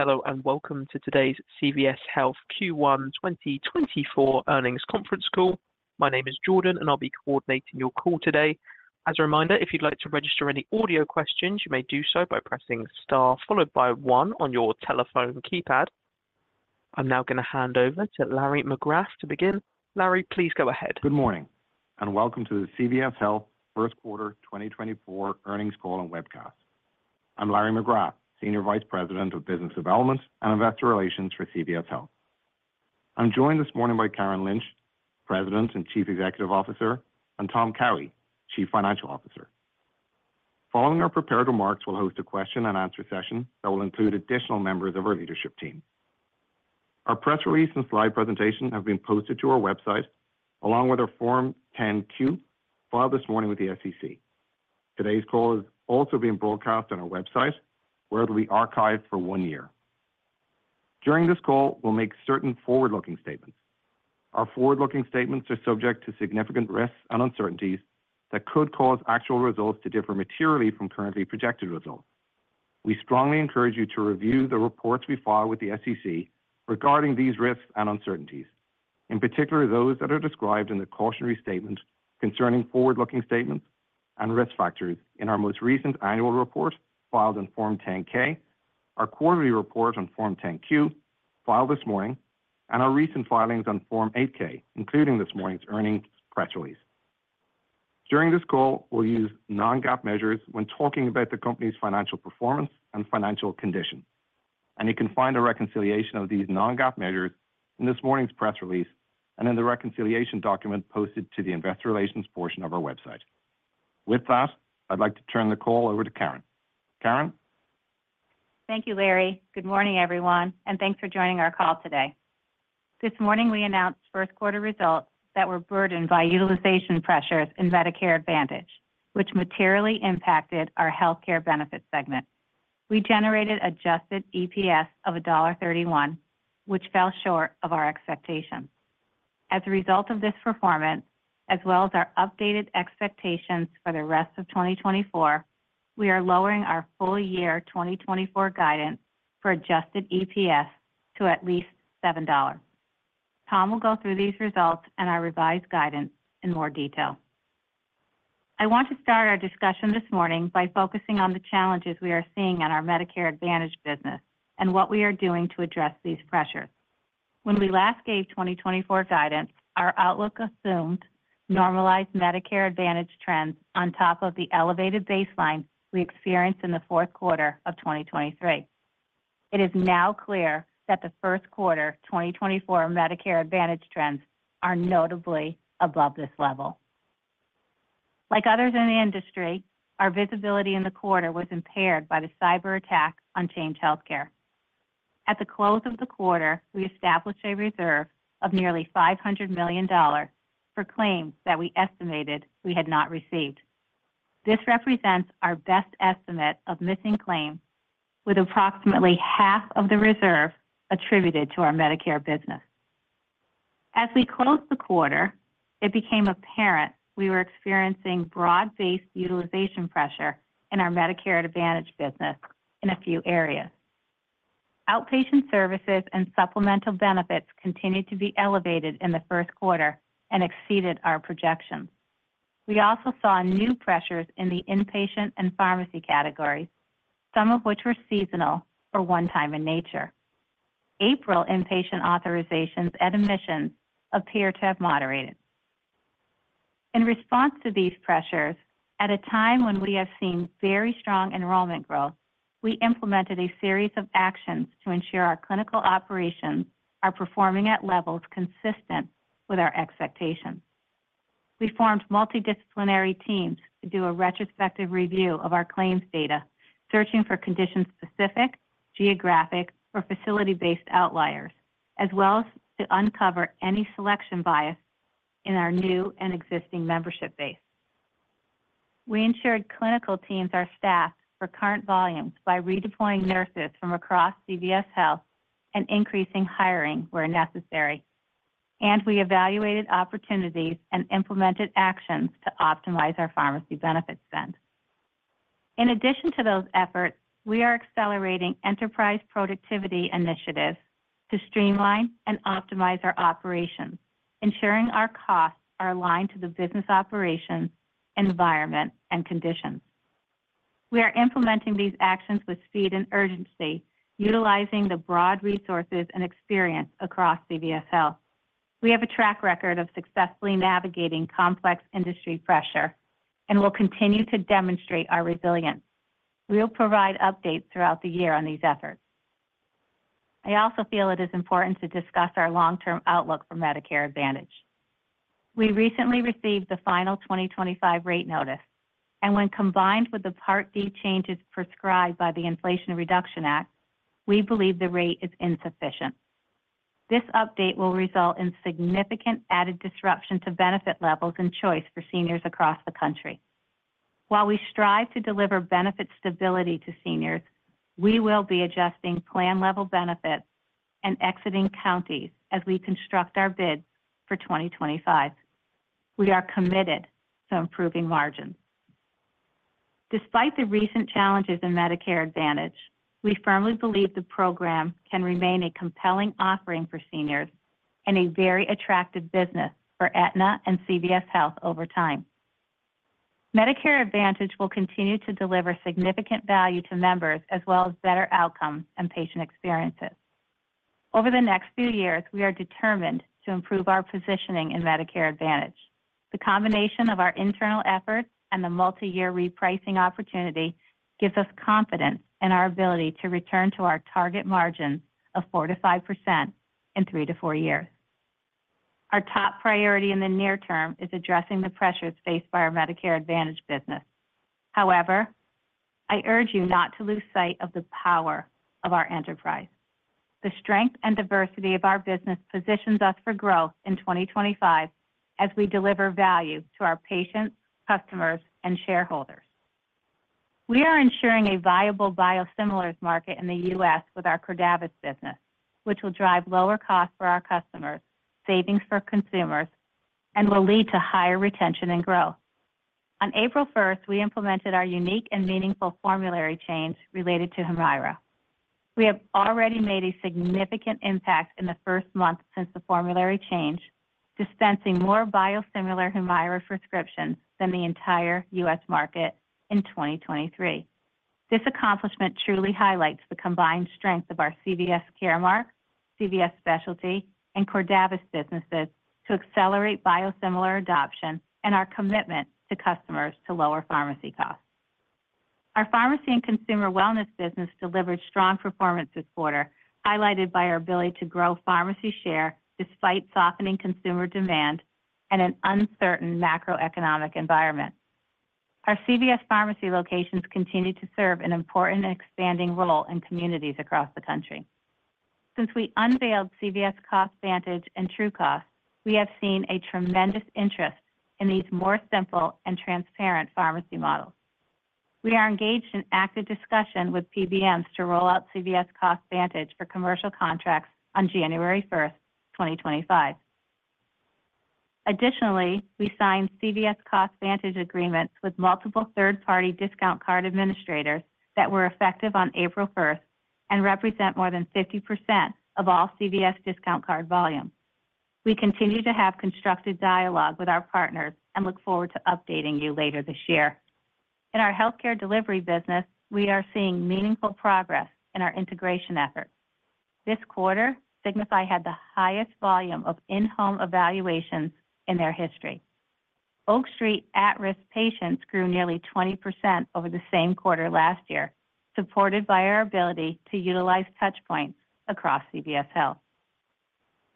Hello, and welcome to today's CVS Health Q1 2024 Earnings Conference Call. My name is Jordan, and I'll be coordinating your call today. As a reminder, if you'd like to register any audio questions, you may do so by pressing star followed by one on your telephone keypad. I'm now going to hand over to Larry McGrath to begin. Larry, please go ahead. Good morning, and welcome to the CVS Health First Quarter 2024 Earnings Call and Webcast. I'm Larry McGrath, Senior Vice President of Business Development and Investor Relations for CVS Health. I'm joined this morning by Karen Lynch, President and Chief Executive Officer, and Tom Cowhey, Chief Financial Officer. Following our prepared remarks, we'll host a question-and-answer session that will include additional members of our leadership team. Our press release and slide presentation have been posted to our website, along with our Form 10-Q, filed this morning with the SEC. Today's call is also being broadcast on our website, where it will be archived for one year. During this call, we'll make certain forward-looking statements. Our forward-looking statements are subject to significant risks and uncertainties that could cause actual results to differ materially from currently projected results. We strongly encourage you to review the reports we file with the SEC regarding these risks and uncertainties, in particular, those that are described in the cautionary statement concerning forward-looking statements and risk factors in our most recent annual report, filed on Form 10-K, our quarterly report on Form 10-Q, filed this morning, and our recent filings on Form 8-K, including this morning's earnings press release. During this call, we'll use non-GAAP measures when talking about the company's financial performance and financial condition, and you can find a reconciliation of these non-GAAP measures in this morning's press release and in the reconciliation document posted to the investor relations portion of our website. With that, I'd like to turn the call over to Karen. Karen? Thank you, Larry. Good morning, everyone, and thanks for joining our call today. This morning, we announced first quarter results that were burdened by utilization pressures in Medicare Advantage, which materially impacted our Health Care Benefit segment. We generated adjusted EPS of $1.31, which fell short of our expectations. As a result of this performance, as well as our updated expectations for the rest of 2024, we are lowering our full year 2024 guidance for adjusted EPS to at least $7. Tom will go through these results and our revised guidance in more detail. I want to start our discussion this morning by focusing on the challenges we are seeing in our Medicare Advantage business and what we are doing to address these pressures. When we last gave 2024 guidance, our outlook assumed normalized Medicare Advantage trends on top of the elevated baseline we experienced in the fourth quarter of 2023. It is now clear that the first quarter 2024 Medicare Advantage trends are notably above this level. Like others in the industry, our visibility in the quarter was impaired by the cyberattack on Change Healthcare. At the close of the quarter, we established a reserve of nearly $500 million for claims that we estimated we had not received. This represents our best estimate of missing claims, with approximately half of the reserve attributed to our Medicare business. As we closed the quarter, it became apparent we were experiencing broad-based utilization pressure in our Medicare Advantage business in a few areas. Outpatient services and supplemental benefits continued to be elevated in the first quarter and exceeded our projections. We also saw new pressures in the inpatient and pharmacy categories, some of which were seasonal or one-time in nature. April inpatient authorizations and admissions appear to have moderated. In response to these pressures, at a time when we have seen very strong enrollment growth, we implemented a series of actions to ensure our clinical operations are performing at levels consistent with our expectations. We formed multidisciplinary teams to do a retrospective review of our claims data, searching for condition-specific, geographic, or facility-based outliers, as well as to uncover any selection bias in our new and existing membership base. We ensured clinical teams are staffed for current volumes by redeploying nurses from across CVS Health and increasing hiring where necessary, and we evaluated opportunities and implemented actions to optimize our pharmacy benefit spend. In addition to those efforts, we are accelerating enterprise productivity initiatives to streamline and optimize our operations, ensuring our costs are aligned to the business operations, environment, and conditions. We are implementing these actions with speed and urgency, utilizing the broad resources and experience across CVS Health. We have a track record of successfully navigating complex industry pressure, and we'll continue to demonstrate our resilience. We'll provide updates throughout the year on these efforts. I also feel it is important to discuss our long-term outlook for Medicare Advantage. We recently received the final 2025 rate notice, and when combined with the Part D changes prescribed by the Inflation Reduction Act, we believe the rate is insufficient. This update will result in significant added disruption to benefit levels and choice for seniors across the country. While we strive to deliver benefit stability to seniors, we will be adjusting plan-level benefits and exiting counties as we construct our bid for 2025. We are committed to improving margins. Despite the recent challenges in Medicare Advantage, we firmly believe the program can remain a compelling offering for seniors and a very attractive business for Aetna and CVS Health over time. Medicare Advantage will continue to deliver significant value to members, as well as better outcomes and patient experiences. Over the next few years, we are determined to improve our positioning in Medicare Advantage. The combination of our internal efforts and the multiyear repricing opportunity gives us confidence in our ability to return to our target margins of 4%-5% in 3-4 years. Our top priority in the near term is addressing the pressures faced by our Medicare Advantage business. However, I urge you not to lose sight of the power of our enterprise. The strength and diversity of our business positions us for growth in 2025 as we deliver value to our patients, customers, and shareholders. We are ensuring a viable biosimilars market in the U.S. with our Cordavis business, which will drive lower costs for our customers, savings for consumers, and will lead to higher retention and growth. On April 1, we implemented our unique and meaningful formulary change related to Humira. We have already made a significant impact in the first month since the formulary change, dispensing more biosimilar Humira prescriptions than the entire U.S. market in 2023. This accomplishment truly highlights the combined strength of our CVS Caremark, CVS Specialty, and Cordavis businesses to accelerate biosimilar adoption and our commitment to customers to lower pharmacy costs. Our Pharmacy and Consumer Wellness business delivered strong performance this quarter, highlighted by our ability to grow pharmacy share despite softening consumer demand and an uncertain macroeconomic environment. Our CVS Pharmacy locations continue to serve an important and expanding role in communities across the country. Since we unveiled CVS CostVantage and TrueCost, we have seen a tremendous interest in these more simple and transparent pharmacy models. We are engaged in active discussion with PBMs to roll out CVS CostVantage for commercial contracts on January 1, 2025. Additionally, we signed CVS CostVantage agreements with multiple third-party discount card administrators that were effective on April 1 and represent more than 50% of all CVS discount card volume. We continue to have constructive dialogue with our partners and look forward to updating you later this year. In our Health Care Delivery business, we are seeing meaningful progress in our integration efforts. This quarter, Signify Health had the highest volume of in-home evaluations in their history. Oak Street Health at-risk patients grew nearly 20% over the same quarter last year, supported by our ability to utilize touchpoints across CVS Health.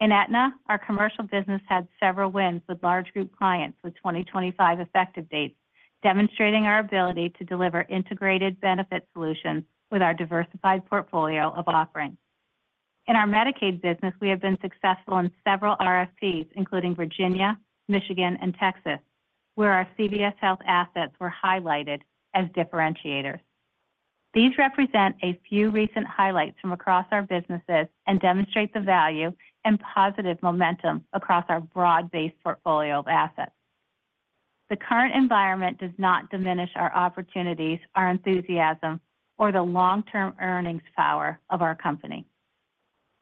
In Aetna, our commercial business had several wins with large group clients with 2025 effective dates, demonstrating our ability to deliver integrated benefit solutions with our diversified portfolio of offerings. In our Medicaid business, we have been successful in several RFPs, including Virginia, Michigan, and Texas, where our CVS Health assets were highlighted as differentiators. These represent a few recent highlights from across our businesses and demonstrate the value and positive momentum across our broad-based portfolio of assets. The current environment does not diminish our opportunities, our enthusiasm, or the long-term earnings power of our company.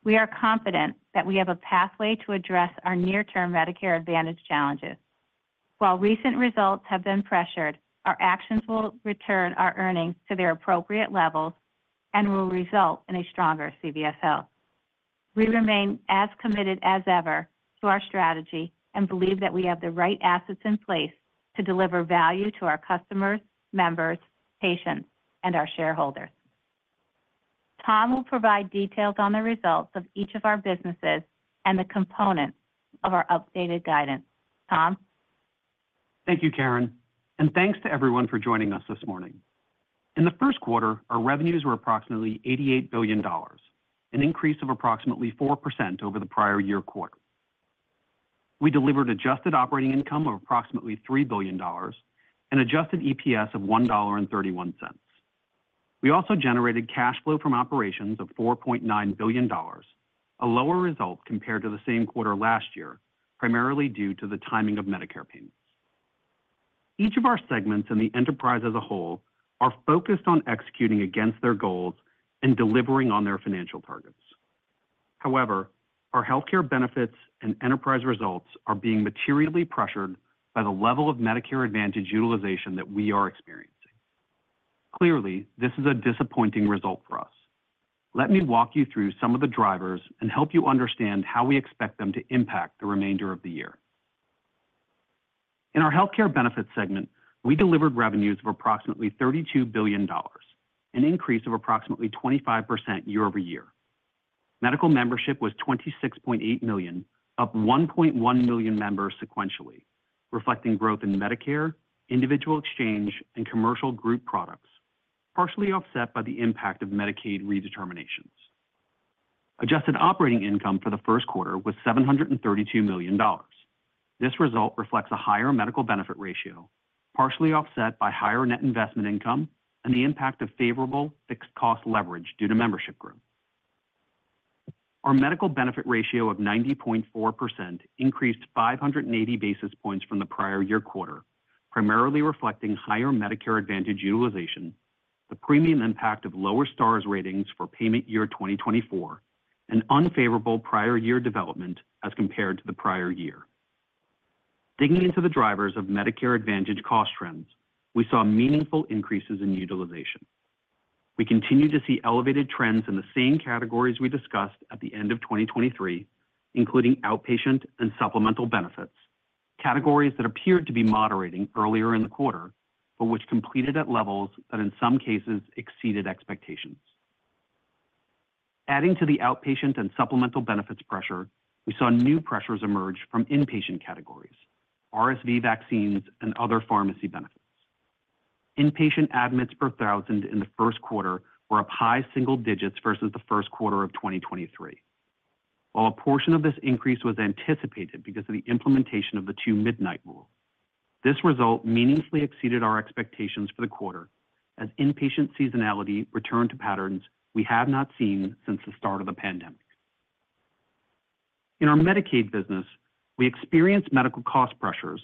We are confident that we have a pathway to address our near-term Medicare Advantage challenges. While recent results have been pressured, our actions will return our earnings to their appropriate levels and will result in a stronger CVS Health. We remain as committed as ever to our strategy and believe that we have the right assets in place to deliver value to our customers, members, patients, and our shareholders. Tom will provide details on the results of each of our businesses and the components of our updated guidance. Tom? Thank you, Karen, and thanks to everyone for joining us this morning. In the first quarter, our revenues were approximately $88 billion, an increase of approximately 4% over the prior year quarter. We delivered adjusted operating income of approximately $3 billion and adjusted EPS of $1.31. We also generated cash flow from operations of $4.9 billion, a lower result compared to the same quarter last year, primarily due to the timing of Medicare payments. Each of our segments in the enterprise as a whole are focused on executing against their goals and delivering on their financial targets. However, our Health Care Benefits and enterprise results are being materially pressured by the level of Medicare Advantage utilization that we are experiencing. Clearly, this is a disappointing result for us. Let me walk you through some of the drivers and help you understand how we expect them to impact the remainder of the year. In our Health Care Benefits segment, we delivered revenues of approximately $32 billion, an increase of approximately 25% year-over-year. Medical membership was 26.8 million, up 1.1 million members sequentially, reflecting growth in Medicare, individual exchange, and commercial group products, partially offset by the impact of Medicaid redeterminations. Adjusted operating income for the first quarter was $732 million. This result reflects a higher medical benefit ratio, partially offset by higher net investment income and the impact of favorable fixed cost leverage due to membership growth.... Our medical benefit ratio of 90.4% increased 580 basis points from the prior year quarter, primarily reflecting higher Medicare Advantage utilization, the premium impact of lower Star Ratings for payment year 2024, and unfavorable prior year development as compared to the prior year. Digging into the drivers of Medicare Advantage cost trends, we saw meaningful increases in utilization. We continue to see elevated trends in the same categories we discussed at the end of 2023, including outpatient and supplemental benefits, categories that appeared to be moderating earlier in the quarter, but which completed at levels that in some cases exceeded expectations. Adding to the outpatient and supplemental benefits pressure, we saw new pressures emerge from inpatient categories, RSV vaccines, and other pharmacy benefits. Inpatient admits per thousand in the first quarter were up high single digits versus the first quarter of 2023. While a portion of this increase was anticipated because of the implementation of the Two Midnight Rule, this result meaningfully exceeded our expectations for the quarter, as inpatient seasonality returned to patterns we have not seen since the start of the pandemic. In our Medicaid business, we experienced medical cost pressures,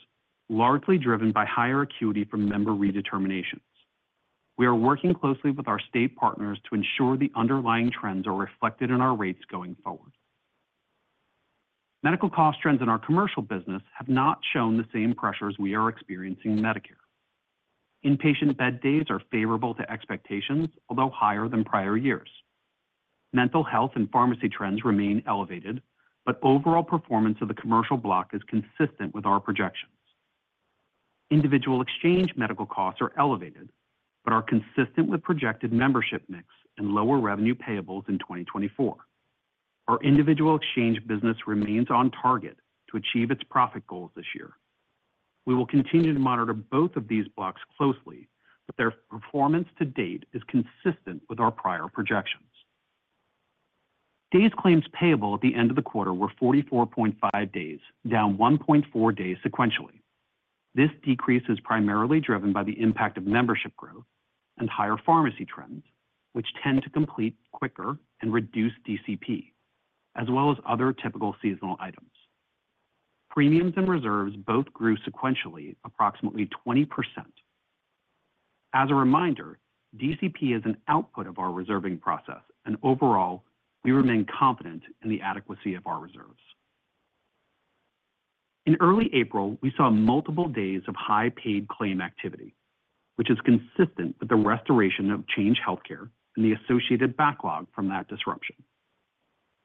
largely driven by higher acuity from member redeterminations. We are working closely with our state partners to ensure the underlying trends are reflected in our rates going forward. Medical cost trends in our commercial business have not shown the same pressures we are experiencing in Medicare. Inpatient bed days are favorable to expectations, although higher than prior years. Mental health and pharmacy trends remain elevated, but overall performance of the commercial block is consistent with our projections. Individual exchange medical costs are elevated but are consistent with projected membership mix and lower revenue payables in 2024. Our individual exchange business remains on target to achieve its profit goals this year. We will continue to monitor both of these blocks closely, but their performance to date is consistent with our prior projections. Days Claims Payable at the end of the quarter were 44.5 days, down 1.4 days sequentially. This decrease is primarily driven by the impact of membership growth and higher pharmacy trends, which tend to complete quicker and reduce DCP, as well as other typical seasonal items. Premiums and reserves both grew sequentially, approximately 20%. As a reminder, DCP is an output of our reserving process, and overall, we remain confident in the adequacy of our reserves. In early April, we saw multiple days of high paid claim activity, which is consistent with the restoration of Change Healthcare and the associated backlog from that disruption.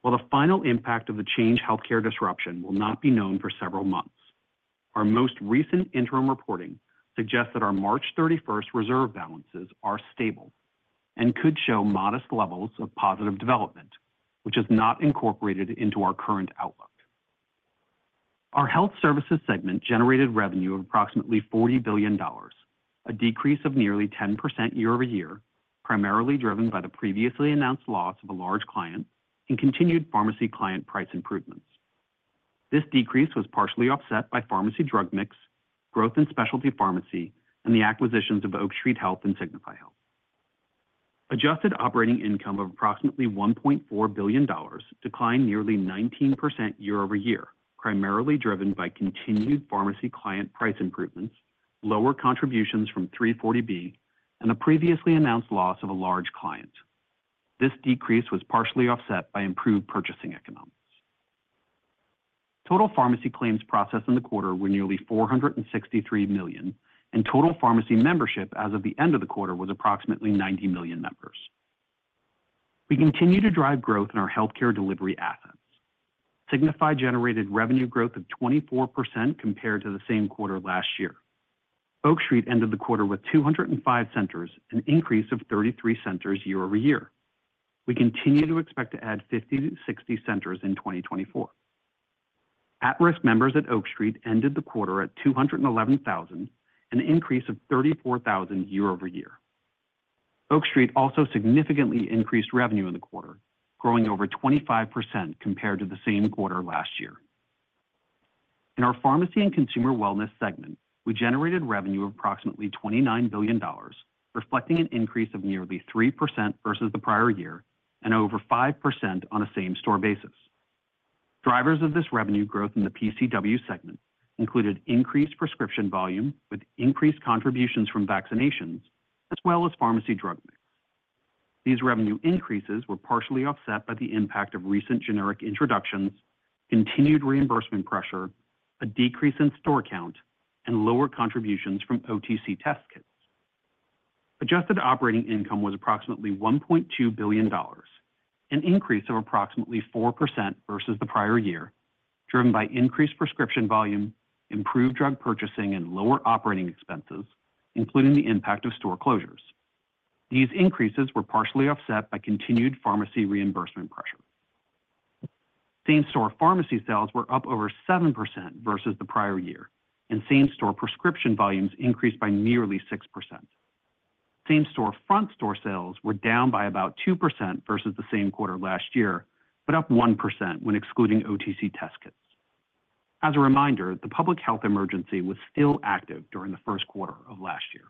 While the final impact of the Change Healthcare disruption will not be known for several months, our most recent interim reporting suggests that our March 31st reserve balances are stable and could show modest levels of positive development, which is not incorporated into our current outlook. Our Health Services segment generated revenue of approximately $40 billion, a decrease of nearly 10% year-over-year, primarily driven by the previously announced loss of a large client and continued pharmacy client price improvements. This decrease was partially offset by pharmacy drug mix, growth in specialty pharmacy, and the acquisitions of Oak Street Health and Signify Health. Adjusted operating income of approximately $1.4 billion declined nearly 19% year-over-year, primarily driven by continued pharmacy client price improvements, lower contributions from 340B, and a previously announced loss of a large client. This decrease was partially offset by improved purchasing economics. Total pharmacy claims processed in the quarter were nearly 463 million, and total pharmacy membership as of the end of the quarter was approximately 90 million members. We continue to drive growth in our Health Care Delivery assets. Signify generated revenue growth of 24% compared to the same quarter last year. Oak Street ended the quarter with 205 centers, an increase of 33 centers year-over-year. We continue to expect to add 50-60 centers in 2024. At-risk members at Oak Street ended the quarter at 211,000, an increase of 34,000 year-over-year. Oak Street also significantly increased revenue in the quarter, growing over 25% compared to the same quarter last year. In our Pharmacy and Consumer Wellness segment, we generated revenue of approximately $29 billion, reflecting an increase of nearly 3% versus the prior year and over 5% on a same-store basis. Drivers of this revenue growth in the PCW segment included increased prescription volume with increased contributions from vaccinations, as well as pharmacy drug mix. These revenue increases were partially offset by the impact of recent generic introductions, continued reimbursement pressure, a decrease in store count, and lower contributions from OTC test kits. Adjusted operating income was approximately $1.2 billion, an increase of approximately 4% versus the prior year, driven by increased prescription volume, improved drug purchasing, and lower operating expenses, including the impact of store closures. These increases were partially offset by continued pharmacy reimbursement pressure. Same-store pharmacy sales were up over 7% versus the prior year, and same-store prescription volumes increased by nearly 6%. Same-store front store sales were down by about 2% versus the same quarter last year, but up 1% when excluding OTC test kits. As a reminder, the public health emergency was still active during the first quarter of last year.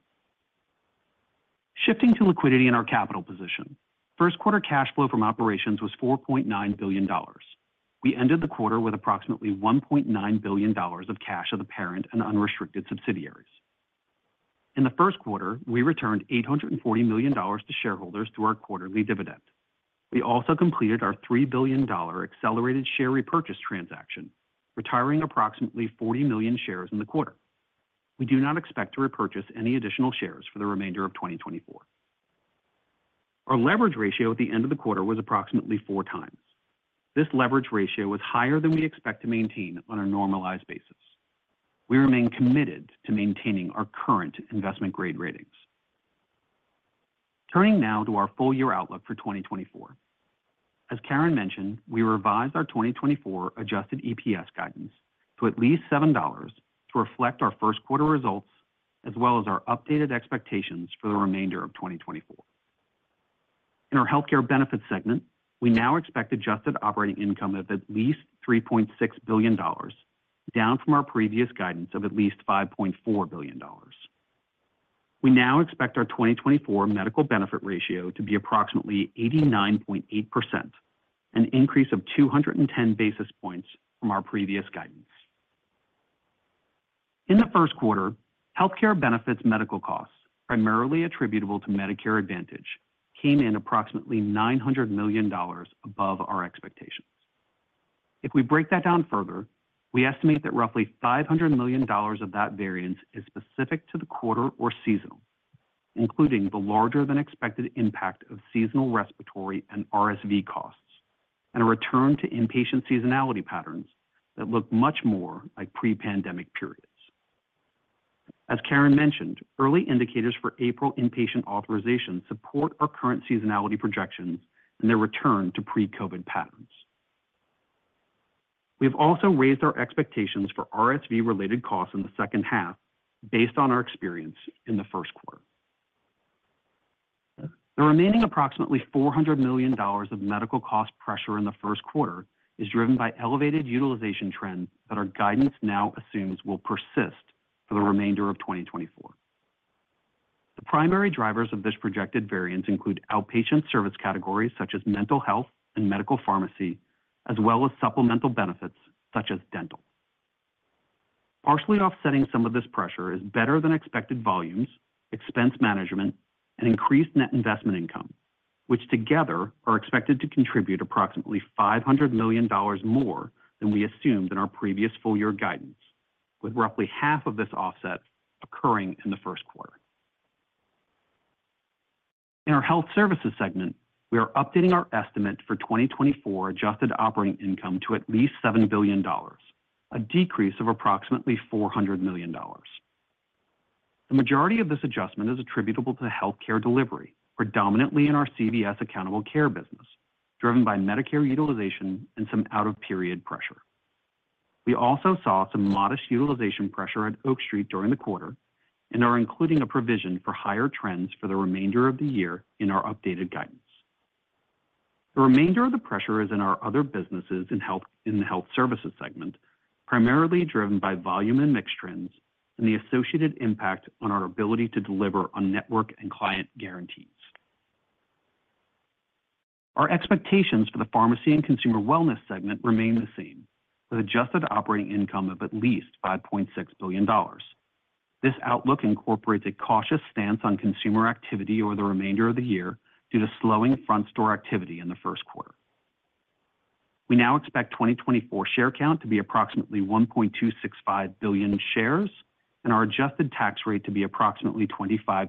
Shifting to liquidity in our capital position. First quarter cash flow from operations was $4.9 billion. We ended the quarter with approximately $1.9 billion of cash of the parent and unrestricted subsidiaries. In the first quarter, we returned $840 million to shareholders through our quarterly dividend. We also completed our $3 billion accelerated share repurchase transaction, retiring approximately 40 million shares in the quarter. We do not expect to repurchase any additional shares for the remainder of 2024. Our leverage ratio at the end of the quarter was approximately 4 times. This leverage ratio was higher than we expect to maintain on a normalized basis. We remain committed to maintaining our current investment grade ratings. Turning now to our full year outlook for 2024. As Karen mentioned, we revised our 2024 Adjusted EPS guidance to at least $7 to reflect our first quarter results, as well as our updated expectations for the remainder of 2024. In our Health Care Benefits segment, we now expect adjusted operating income of at least $3.6 billion, down from our previous guidance of at least $5.4 billion. We now expect our 2024 medical benefit ratio to be approximately 89.8%, an increase of 210 basis points from our previous guidance. In the first quarter, Health Care Benefits medical costs, primarily attributable to Medicare Advantage, came in approximately $900 million above our expectations. If we break that down further, we estimate that roughly $500 million of that variance is specific to the quarter or seasonal, including the larger than expected impact of seasonal respiratory and RSV costs, and a return to inpatient seasonality patterns that look much more like pre-pandemic periods. As Karen mentioned, early indicators for April inpatient authorizations support our current seasonality projections and their return to pre-COVID patterns. We've also raised our expectations for RSV-related costs in the second half based on our experience in the first quarter. The remaining approximately $400 million of medical cost pressure in the first quarter is driven by elevated utilization trends that our guidance now assumes will persist for the remainder of 2024. The primary drivers of this projected variance include outpatient service categories such as mental health and medical pharmacy, as well as supplemental benefits such as dental. Partially offsetting some of this pressure is better than expected volumes, expense management, and increased net investment income, which together are expected to contribute approximately $500 million more than we assumed in our previous full year guidance, with roughly half of this offset occurring in the first quarter. In our Health Services segment, we are updating our estimate for 2024 adjusted operating income to at least $7 billion, a decrease of approximately $400 million. The majority of this adjustment is attributable to Health Care Delivery, predominantly in our CVS Accountable Care business, driven by Medicare utilization and some out-of-period pressure. We also saw some modest utilization pressure at Oak Street during the quarter and are including a provision for higher trends for the remainder of the year in our updated guidance. The remainder of the pressure is in our other businesses in the Health Services segment, primarily driven by volume and mix trends, and the associated impact on our ability to deliver on network and client guarantees. Our expectations for the Pharmacy and Consumer Wellness segment remain the same, with adjusted operating income of at least $5.6 billion. This outlook incorporates a cautious stance on consumer activity over the remainder of the year due to slowing front store activity in the first quarter. We now expect 2024 share count to be approximately 1.265 billion shares, and our adjusted tax rate to be approximately 25.6%.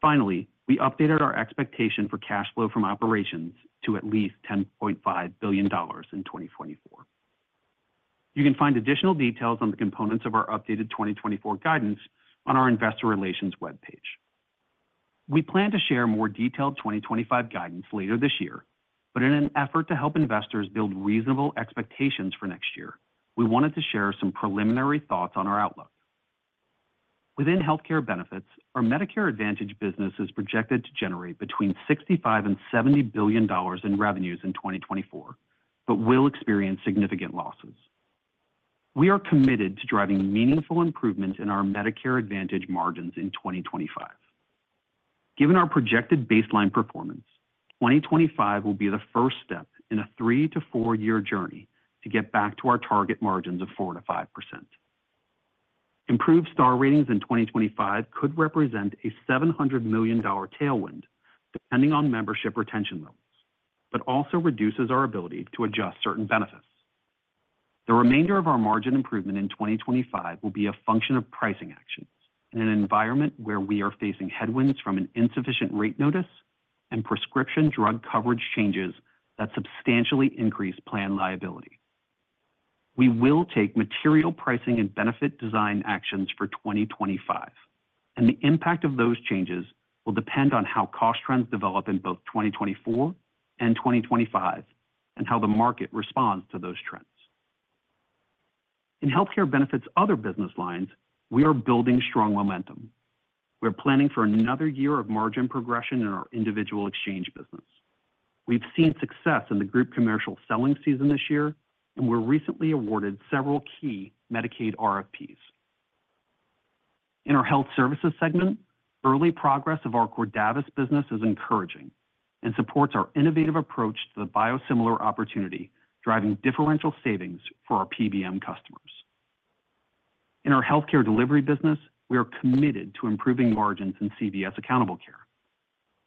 Finally, we updated our expectation for cash flow from operations to at least $10.5 billion in 2024. You can find additional details on the components of our updated 2024 guidance on our investor relations webpage. We plan to share more detailed 2025 guidance later this year, but in an effort to help investors build reasonable expectations for next year, we wanted to share some preliminary thoughts on our outlook. Within Health Care Benefits, our Medicare Advantage business is projected to generate between $65 billion and $70 billion in revenues in 2024, but will experience significant losses. We are committed to driving meaningful improvements in our Medicare Advantage margins in 2025. Given our projected baseline performance, 2025 will be the first step in a 3- to 4-year journey to get back to our target margins of 4%-5%. Improved Star Ratings in 2025 could represent a $700 million tailwind, depending on membership retention levels, but also reduces our ability to adjust certain benefits. The remainder of our margin improvement in 2025 will be a function of pricing actions in an environment where we are facing headwinds from an insufficient rate notice and prescription drug coverage changes that substantially increase plan liability. We will take material pricing and benefit design actions for 2025, and the impact of those changes will depend on how cost trends develop in both 2024 and 2025, and how the market responds to those trends. In Health Care Benefits other business lines, we are building strong momentum. We are planning for another year of margin progression in our individual exchange business. We've seen success in the group commercial selling season this year, and we're recently awarded several key Medicaid RFPs. In our Health Services segment, early progress of our Cordavis business is encouraging and supports our innovative approach to the biosimilar opportunity, driving differential savings for our PBM customers. In our Health Care Delivery business, we are committed to improving margins in CVS Accountable Care.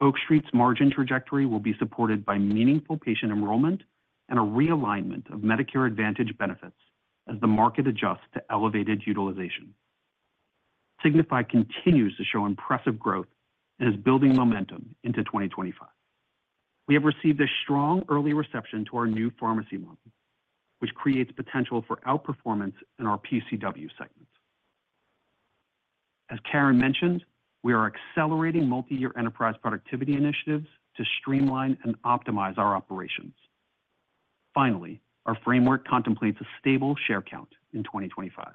Oak Street's margin trajectory will be supported by meaningful patient enrollment and a realignment of Medicare Advantage benefits as the market adjusts to elevated utilization. Signify continues to show impressive growth and is building momentum into 2025. We have received a strong early reception to our new pharmacy model, which creates potential for outperformance in our PCW segments. As Karen mentioned, we are accelerating multi-year enterprise productivity initiatives to streamline and optimize our operations. Finally, our framework contemplates a stable share count in 2025.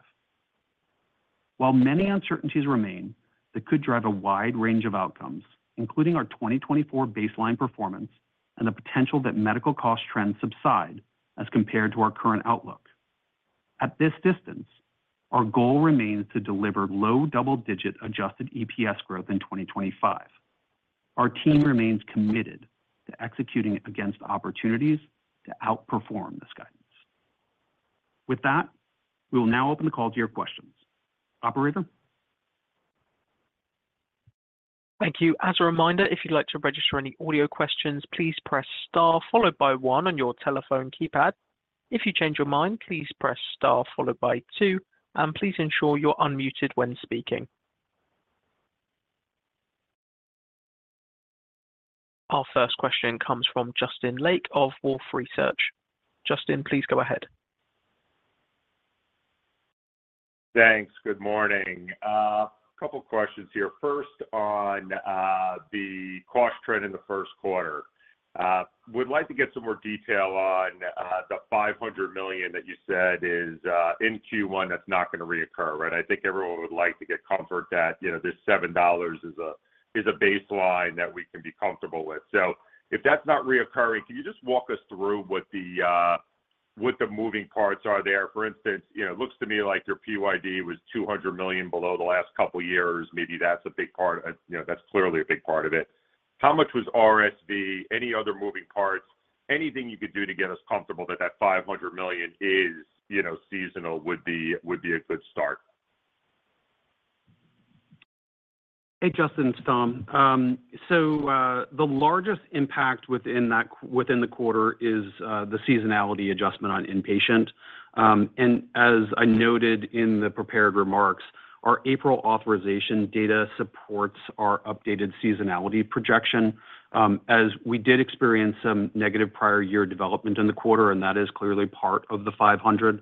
While many uncertainties remain, that could drive a wide range of outcomes, including our 2024 baseline performance and the potential that medical cost trends subside as compared to our current outlook. At this distance, our goal remains to deliver low double-digit adjusted EPS growth in 2025. Our team remains committed to executing against opportunities to outperform this guidance. With that, we will now open the call to your questions. Operator? Thank you. As a reminder, if you'd like to register any audio questions, please press star followed by one on your telephone keypad. If you change your mind, please press star followed by two, and please ensure you're unmuted when speaking. Our first question comes from Justin Lake of Wolfe Research. Justin, please go ahead. Thanks. Good morning. A couple of questions here. First, on the cost trend in the first quarter. Would like to get some more detail on the $500 million that you said is in Q1, that's not going to reoccur, right? I think everyone would like to get comfort that, you know, this $7 is a baseline that we can be comfortable with. So if that's not reoccurring, can you just walk us through what the moving parts are there? For instance, you know, it looks to me like your PYD was $200 million below the last couple of years. Maybe that's a big part of, you know, that's clearly a big part of it. How much was RSV, any other moving parts, anything you could do to get us comfortable that that $500 million is, you know, seasonal would be, would be a good start? Hey, Justin, it's Tom. So, the largest impact within that, within the quarter is, the seasonality adjustment on inpatient. And as I noted in the prepared remarks, our April authorization data supports our updated seasonality projection, as we did experience some negative prior year development in the quarter, and that is clearly part of the $500.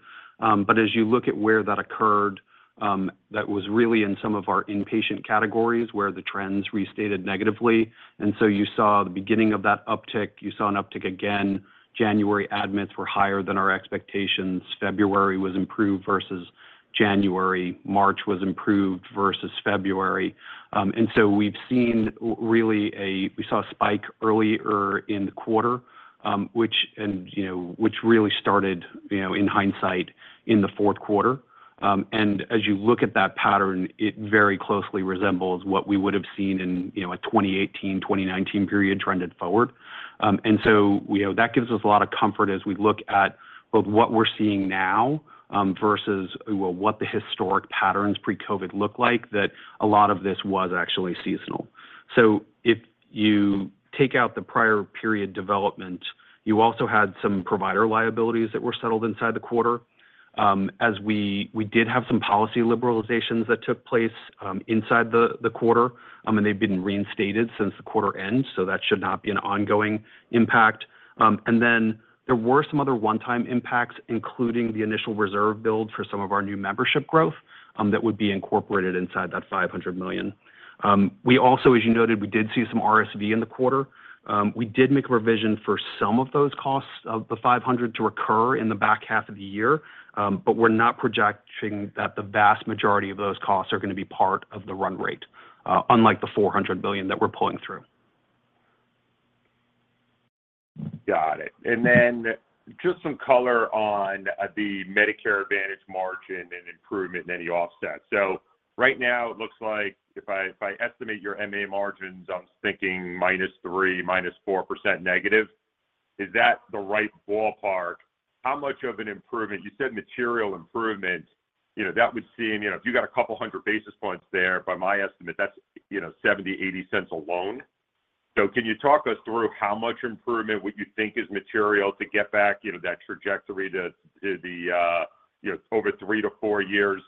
But as you look at where that occurred, that was really in some of our inpatient categories where the trends restated negatively. And so you saw the beginning of that uptick, you saw an uptick again, January admits were higher than our expectations. February was improved versus January, March was improved versus February. And so we've seen really we saw a spike earlier in the quarter, which, and, you know, which really started, you know, in hindsight, in the fourth quarter. And as you look at that pattern, it very closely resembles what we would have seen in, you know, a 2018, 2019 period trended forward. And so, you know, that gives us a lot of comfort as we look at both what we're seeing now, versus, well, what the historic patterns pre-COVID look like, that a lot of this was actually seasonal. So if you take out the prior period development, you also had some provider liabilities that were settled inside the quarter. As we did have some policy liberalizations that took place, inside the quarter, and they've been reinstated since the quarter end, so that should not be an ongoing impact. And then there were some other one-time impacts, including the initial reserve build for some of our new membership growth, that would be incorporated inside that $500 million. We also, as you noted, we did see some RSV in the quarter. We did make a revision for some of those costs of the $500 million to recur in the back half of the year, but we're not projecting that the vast majority of those costs are going to be part of the run rate, unlike the $400 billion that we're pulling through. Got it. And then just some color on the Medicare Advantage margin and improvement in any offset. So right now, it looks like if I estimate your MA margins, I'm thinking -3 to -4% negative. Is that the right ballpark? How much of an improvement, you said material improvement, you know, that would seem, you know, if you got a couple of hundred basis points there, by my estimate, that's, you know, $0.70-$0.80 alone. So can you talk us through how much improvement would you think is material to get back, you know, that trajectory to the, you know, over 3-4 years,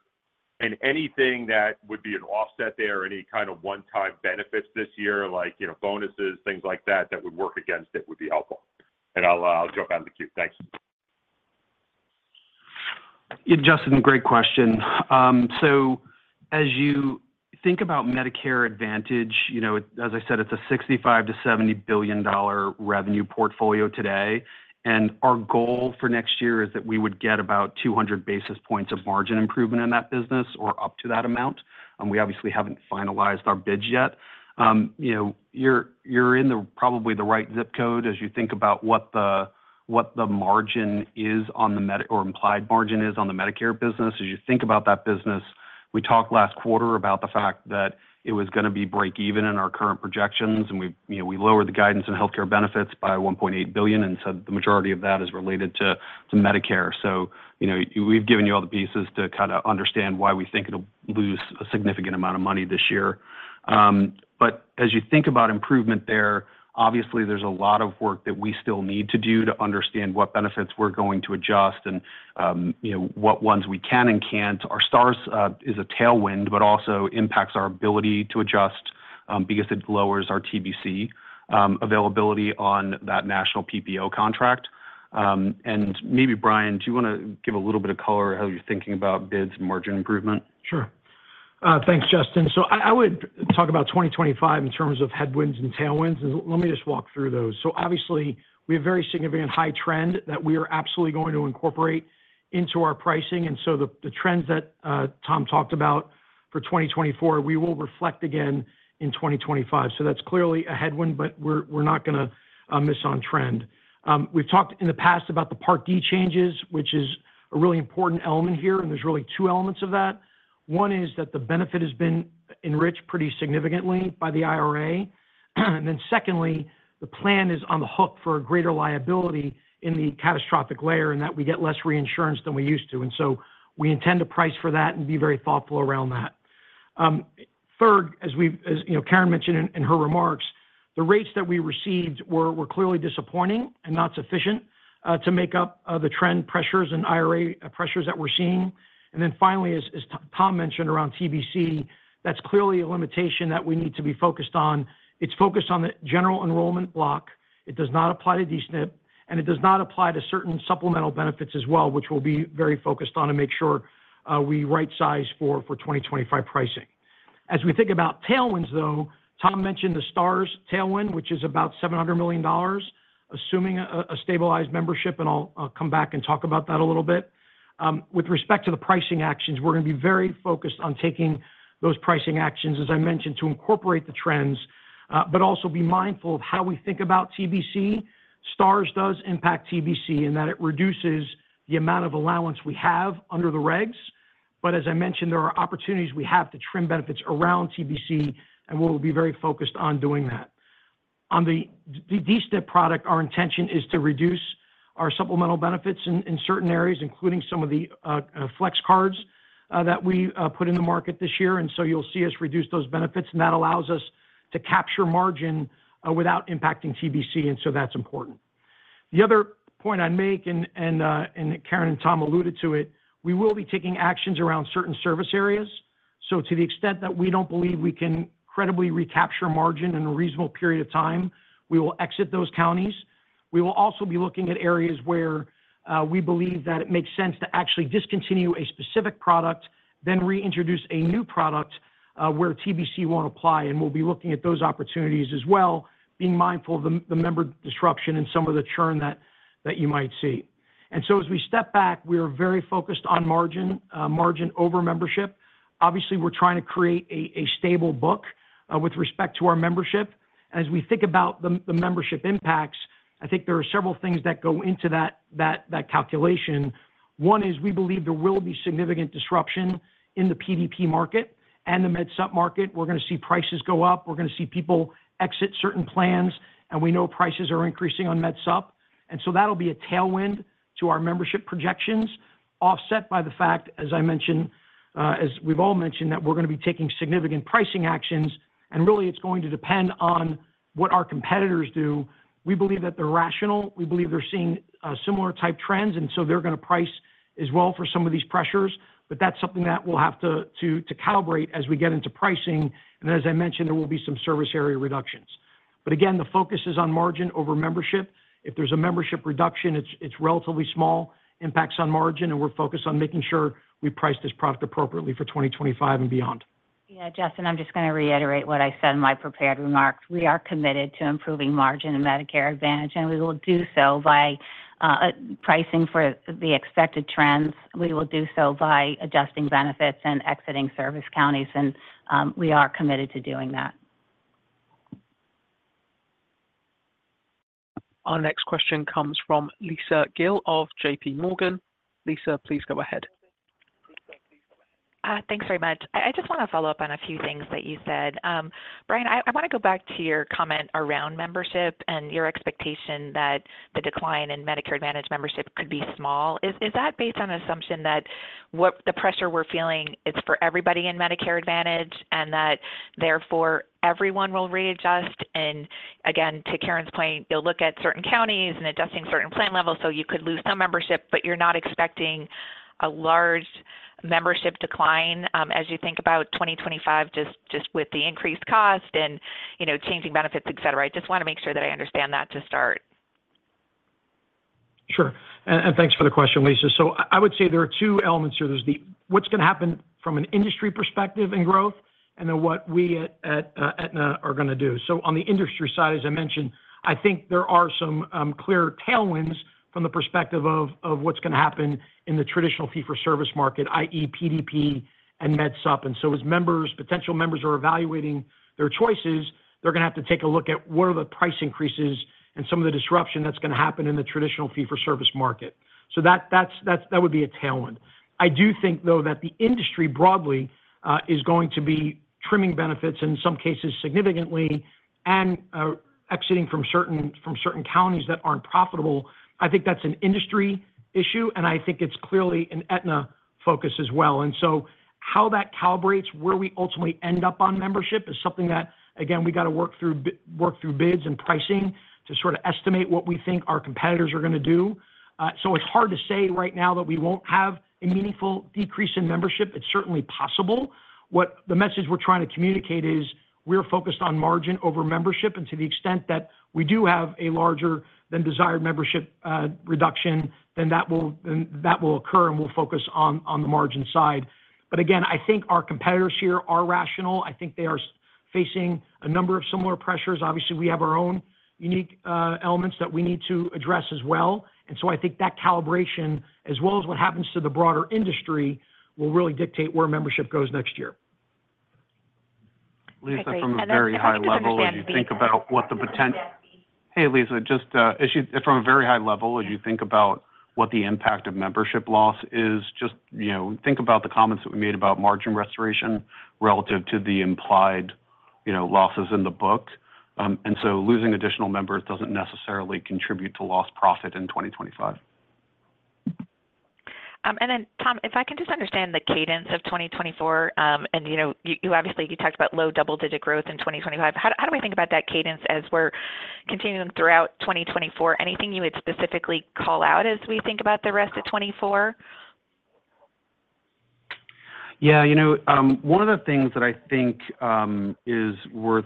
and anything that would be an offset there, any kind of one-time benefits this year, like, you know, bonuses, things like that, that would work against it would be helpful. And I'll jump out of the queue. Thanks. Yeah, Justin, great question. So as you think about Medicare Advantage, you know, as I said, it's a $65 billion-$70 billion revenue portfolio today, and our goal for next year is that we would get about 200 basis points of margin improvement in that business or up to that amount. And we obviously haven't finalized our bids yet. You know, you're in the probably the right ZIP code as you think about what the margin is on the Medicare or implied margin is on the Medicare business. As you think about that business, we talked last quarter about the fact that it was gonna be break even in our current projections, and you know, we lowered the guidance in Health Care Benefits by $1.8 billion, and so the majority of that is related to Medicare. So, you know, we've given you all the pieces to kind of understand why we think it'll lose a significant amount of money this year. But as you think about improvement there, obviously, there's a lot of work that we still need to do to understand what benefits we're going to adjust and, you know, what ones we can and can't. Our Stars, is a tailwind, but also impacts our ability to adjust, because it lowers our TBC, availability on that national PPO contract. And maybe, Brian, do you wanna give a little bit of color how you're thinking about bids and margin improvement? Sure. Thanks, Justin. So I, I would talk about 2025 in terms of headwinds and tailwinds, and let me just walk through those. So obviously, we have very significant high trend that we are absolutely going to incorporate into our pricing, and so the trends that Tom talked about for 2024, we will reflect again in 2025. So that's clearly a headwind, but we're not gonna miss on trend. We've talked in the past about the Part D changes, which is a really important element here, and there's really two elements of that. One is that the benefit has been enriched pretty significantly by the IRA. And then secondly, the plan is on the hook for a greater liability in the catastrophic layer, and that we get less reinsurance than we used to, and so we intend to price for that and be very thoughtful around that. Third, as we've, you know, Karen mentioned in her remarks, the rates that we received were clearly disappointing and not sufficient to make up the trend pressures and IRA pressures that we're seeing. And then finally, as Tom mentioned around TBC, that's clearly a limitation that we need to be focused on. It's focused on the general enrollment block. It does not apply to D-SNP, and it does not apply to certain supplemental benefits as well, which we'll be very focused on to make sure we rightsize for 2025 pricing. As we think about tailwinds, though, Tom mentioned the Star Ratings tailwind, which is about $700 million, assuming a stabilized membership, and I'll come back and talk about that a little bit. With respect to the pricing actions, we're gonna be very focused on taking those pricing actions, as I mentioned, to incorporate the trends, but also be mindful of how we think about TBC. Star Ratings does impact TBC in that it reduces the amount of allowance we have under the regs. But as I mentioned, there are opportunities we have to trim benefits around TBC, and we'll be very focused on doing that. On the D-SNP product, our intention is to reduce our supplemental benefits in certain areas, including some of the flex cards that we put in the market this year. And so you'll see us reduce those benefits, and that allows us to capture margin, without impacting TBC, and so that's important. The other point I'd make, and Karen and Tom alluded to it, we will be taking actions around certain service areas. So to the extent that we don't believe we can credibly recapture margin in a reasonable period of time, we will exit those counties. We will also be looking at areas where we believe that it makes sense to actually discontinue a specific product, then reintroduce a new product, where TBC won't apply, and we'll be looking at those opportunities as well, being mindful of the member disruption and some of the churn that you might see. And so as we step back, we are very focused on margin, margin over membership. Obviously, we're trying to create a stable book with respect to our membership. As we think about the membership impacts, I think there are several things that go into that calculation. One is we believe there will be significant disruption in the PDP market and the Med Supp market. We're gonna see prices go up, we're gonna see people exit certain plans, and we know prices are increasing on Med Supp, and so that'll be a tailwind to our membership projections, offset by the fact, as I mentioned, as we've all mentioned, that we're gonna be taking significant pricing actions, and really, it's going to depend on what our competitors do. We believe that they're rational. We believe they're seeing similar type trends, and so they're gonna price as well for some of these pressures, but that's something that we'll have to calibrate as we get into pricing, and as I mentioned, there will be some service area reductions. But again, the focus is on margin over membership. If there's a membership reduction, it's relatively small, impacts on margin, and we're focused on making sure we price this product appropriately for 2025 and beyond. Yeah, Justin, I'm just gonna reiterate what I said in my prepared remarks. We are committed to improving margin in Medicare Advantage, and we will do so by pricing for the expected trends. We will do so by adjusting benefits and exiting service counties, and we are committed to doing that. Our next question comes from Lisa Gill of JP Morgan. Lisa, please go ahead. Thanks very much. I just wanna follow up on a few things that you said. Brian, I wanna go back to your comment around membership and your expectation that the decline in Medicare Advantage membership could be small. Is that based on assumption that the pressure we're feeling, it's for everybody in Medicare Advantage, and that therefore, everyone will readjust? And again, to Karen's point, you'll look at certain counties and adjusting certain plan levels, so you could lose some membership, but you're not expecting a large membership decline, as you think about 2025, just with the increased cost and, you know, changing benefits, et cetera. I just wanna make sure that I understand that to start. Sure. And thanks for the question, Lisa. So I would say there are two elements here. There's the, what's gonna happen from an industry perspective and growth, and then what we at Aetna are gonna do. So on the industry side, as I mentioned, I think there are some clear tailwinds from the perspective of of what's gonna happen in the traditional fee-for-service market, i.e., PDP and Med Supp. And so as members, potential members are evaluating their choices, they're gonna have to take a look at what are the price increases and some of the disruption that's gonna happen in the traditional fee-for-service market. So that that would be a tailwind. I do think, though, that the industry broadly is going to be trimming benefits, in some cases significantly, and exiting from certain, certain counties that aren't profitable. I think that's an industry issue, and I think it's clearly an Aetna focus as well. And so how that calibrates, where we ultimately end up on membership, is something that, again, we gotta work through bids and pricing to sort of estimate what we think our competitors are gonna do. So it's hard to say right now that we won't have a meaningful decrease in membership. It's certainly possible. What the message we're trying to communicate is, we're focused on margin over membership, and to the extent that we do have a larger than desired membership reduction, then that will, that will occur, and we'll focus on the margin side. But again, I think our competitors here are rational. I think they are facing a number of similar pressures. Obviously, we have our own unique elements that we need to address as well. And so I think that calibration, as well as what happens to the broader industry, will really dictate where membership goes next year. Hey, Lisa, just, as you, from a very high level, as you think about what the impact of membership loss is, just, you know, think about the comments that we made about margin restoration relative to the implied, you know, losses in the book. And so losing additional members doesn't necessarily contribute to lost profit in 2025. And then, Tom, if I can just understand the cadence of 2024, and you know, you obviously talked about low double-digit growth in 2025. How do we think about that cadence as we're continuing throughout 2024? Anything you would specifically call out as we think about the rest of 2024? Yeah, you know, one of the things that I think is worth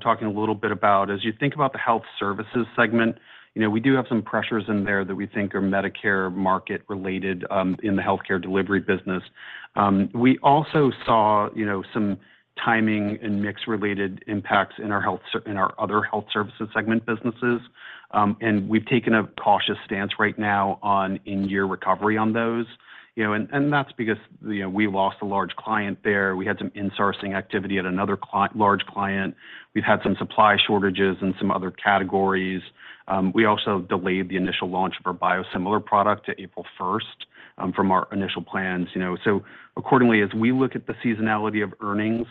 talking a little bit about, as you think about the Health Services segment, you know, we do have some pressures in there that we think are Medicare market related in the Health Care Delivery business. We also saw, you know, some timing and mix-related impacts in our other Health Services segment businesses. And we've taken a cautious stance right now on in-year recovery on those, you know, and that's because, you know, we lost a large client there. We had some insourcing activity at another large client. We've had some supply shortages in some other categories. We also delayed the initial launch of our biosimilar product to April first from our initial plans, you know. So accordingly, as we look at the seasonality of earnings,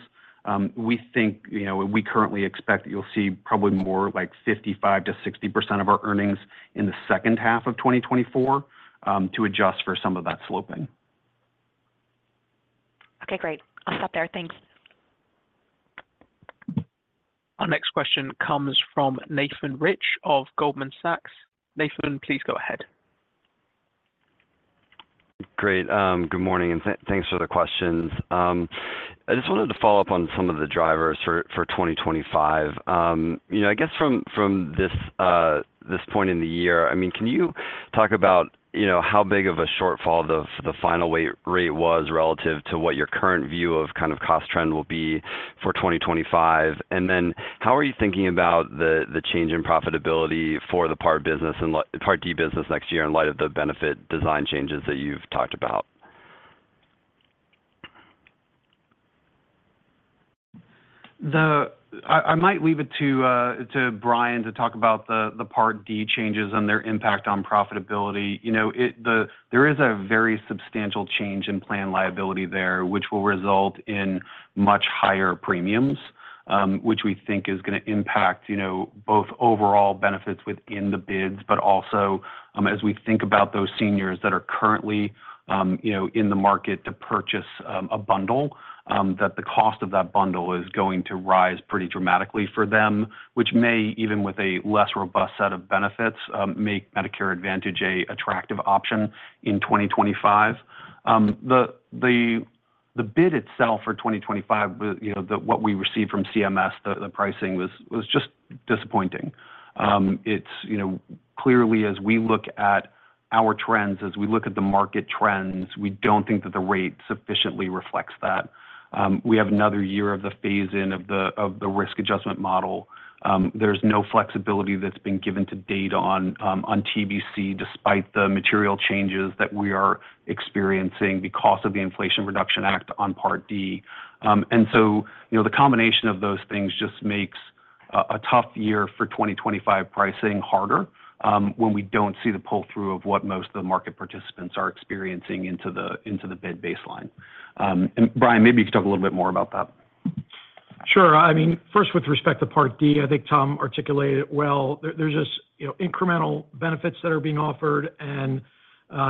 we think, you know, we currently expect that you'll see probably more like 55%-60% of our earnings in the second half of 2024, to adjust for some of that sloping. Okay, great. I'll stop there. Thanks. Our next question comes from Nathan Rich of Goldman Sachs. Nathan, please go ahead. Great. Good morning, and thanks for the questions. I just wanted to follow up on some of the drivers for 2025. You know, I guess from, from this, this point in the year, I mean, can you talk about, you know, how big of a shortfall the final rate was relative to what your current view of kind of cost trend will be for 2025? And then how are you thinking about the change in profitability for the Part business and Part D business next year in light of the benefit design changes that you've talked about? I might leave it to Brian to talk about the Part D changes and their impact on profitability. You know, there is a very substantial change in plan liability there, which will result in much higher premiums, which we think is gonna impact, you know, both overall benefits within the bids, but also, as we think about those seniors that are currently, you know, in the market to purchase a bundle, that the cost of that bundle is going to rise pretty dramatically for them, which may, even with a less robust set of benefits, make Medicare Advantage an attractive option in 2025. You know, the bid itself for 2025, what we received from CMS, the pricing was just disappointing. It's, you know, clearly, as we look at our trends, as we look at the market trends, we don't think that the rate sufficiently reflects that. We have another year of the phase-in of the risk adjustment model. There's no flexibility that's been given to date on on TBC, despite the material changes that we are experiencing because of the Inflation Reduction Act on Part D. And so, you know, the combination of those things just makes a tough year for 2025 pricing harder, when we don't see the pull-through of what most of the market participants are experiencing into, into the bid baseline. And Brian, maybe you could talk a little bit more about that. Sure. I mean, first, with respect to Part D, I think Tom articulated it well. There's just, you know, incremental benefits that are being offered and,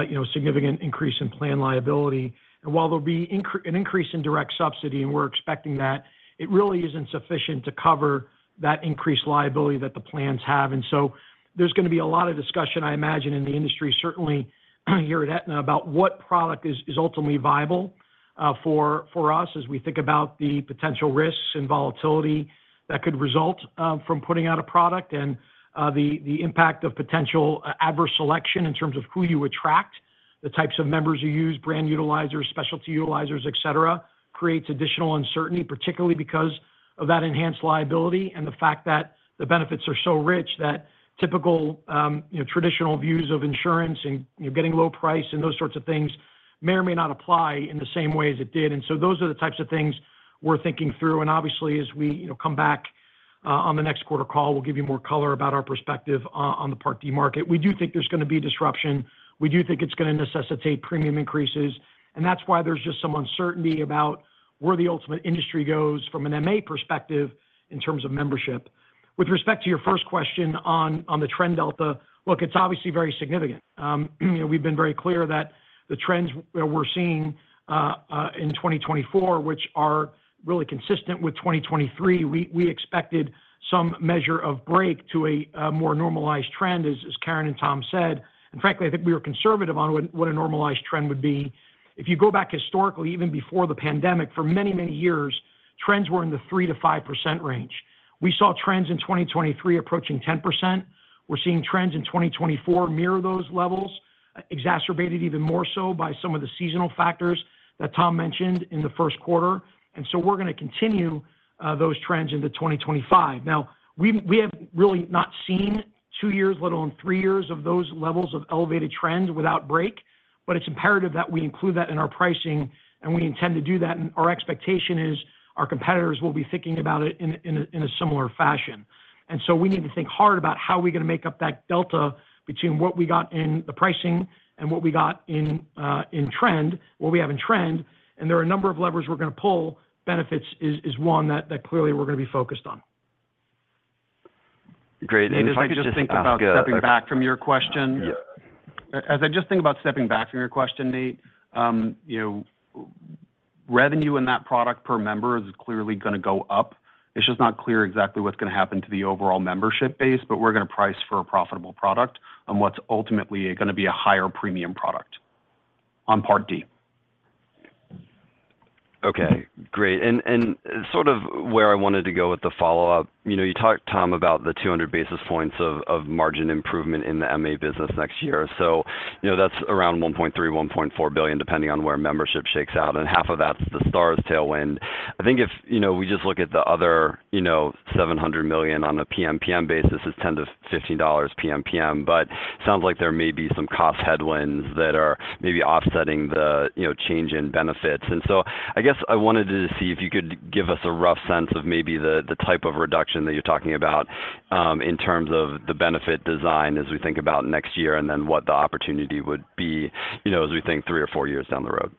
you know, significant increase in plan liability. And while there'll be an increase in direct subsidy, and we're expecting that, it really isn't sufficient to cover that increased liability that the plans have. And so there's gonna be a lot of discussion, I imagine, in the industry, certainly here at Aetna, about what product is ultimately viable for, for us, as we think about the potential risks and volatility that could result from putting out a product, and the impact of potential adverse selection in terms of who you attract. The types of members you use, brand utilizers, specialty utilizers, et cetera, creates additional uncertainty, particularly because of that enhanced liability and the fact that the benefits are so rich that typical, you know, traditional views of insurance and, you know, getting low price and those sorts of things may or may not apply in the same way as it did. And so those are the types of things we're thinking through. And obviously, as we, you know, come back on the next quarter call, we'll give you more color about our perspective on, on the Part D market. We do think there's gonna be disruption. We do think it's gonna necessitate premium increases, and that's why there's just some uncertainty about where the ultimate industry goes from an MA perspective in terms of membership. With respect to your first question on the trend delta, look, it's obviously very significant. You know, we've been very clear that the trends that we're seeing in 2024, which are really consistent with 2023, we expected some measure of break to a more normalized trend, as Karen and Tom said. And frankly, I think we were conservative on what a normalized trend would be. If you go back historically, even before the pandemic, for many, many years, trends were in the 3%-5% range. We saw trends in 2023 approaching 10%. We're seeing trends in 2024 mirror those levels, exacerbated even more so by some of the seasonal factors that Tom mentioned in the first quarter, and so we're gonna continue those trends into 2025. Now, we have really not seen 2 years, let alone 3 years of those levels of elevated trends without break, but it's imperative that we include that in our pricing, and we intend to do that. Our expectation is, our competitors will be thinking about it in a similar fashion. So we need to think hard about how we're gonna make up that delta between what we got in the pricing and what we got in trend, what we have in trend, and there are a number of levers we're gonna pull, benefits is one that clearly we're gonna be focused on. Great. And if I could just ask- Nate, as I just think about stepping back from your question- Yeah. As I just think about stepping back from your question, Nate, you know, revenue in that product per member is clearly gonna go up. It's just not clear exactly what's gonna happen to the overall membership base, but we're gonna price for a profitable product and what's ultimately gonna be a higher premium product on Part D. Okay, great. And sort of where I wanted to go with the follow-up, you know, you talked, Tom, about the 200 basis points of margin improvement in the MA business next year. So, you know, that's around $1.3-$1.4 billion, depending on where membership shakes out, and half of that's the Stars tailwind. I think if, you know, we just look at the other, you know, $700 million on a PMPM basis, it's $10-$15 PMPM. But it sounds like there may be some cost headwinds that are maybe offsetting the, you know, change in benefits. And so I guess I wanted to see if you could give us a rough sense of maybe the type of reduction that you're talking about in terms of the benefit design as we think about next year, and then what the opportunity would be, you know, as we think three or four years down the road.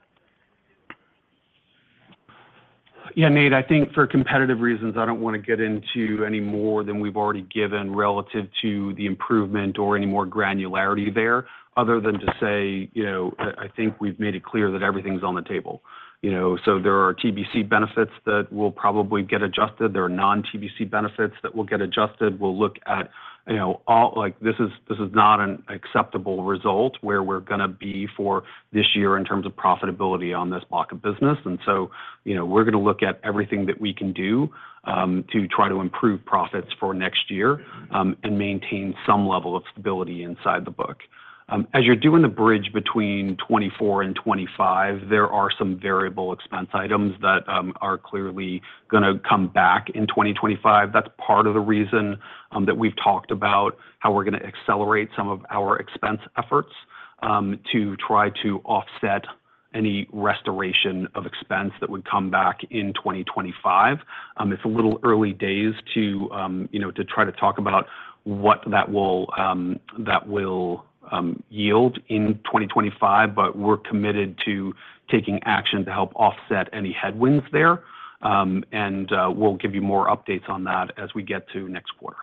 Yeah, Nate, I think for competitive reasons, I don't wanna get into any more than we've already given relative to the improvement or any more granularity there, other than to say, you know, I, I think we've made it clear that everything's on the table. You know, so there are TBC benefits that will probably get adjusted. There are non-TBC benefits that will get adjusted. We'll look at, you know, all—like, this is, this is not an acceptable result where we're gonna be for this year in terms of profitability on this block of business. And so, you know, we're gonna look at everything that we can do, to try to improve profits for next year, and maintain some level of stability inside the book. As you're doing the bridge between 2024 and 2025, there are some variable expense items that are clearly gonna come back in 2025. That's part of the reason that we've talked about how we're gonna accelerate some of our expense efforts to try to offset any restoration of expense that would come back in 2025. It's a little early days to you know to try to talk about what that will, that will yield in 2025, but we're committed to taking action to help offset any headwinds there. And we'll give you more updates on that as we get to next quarter.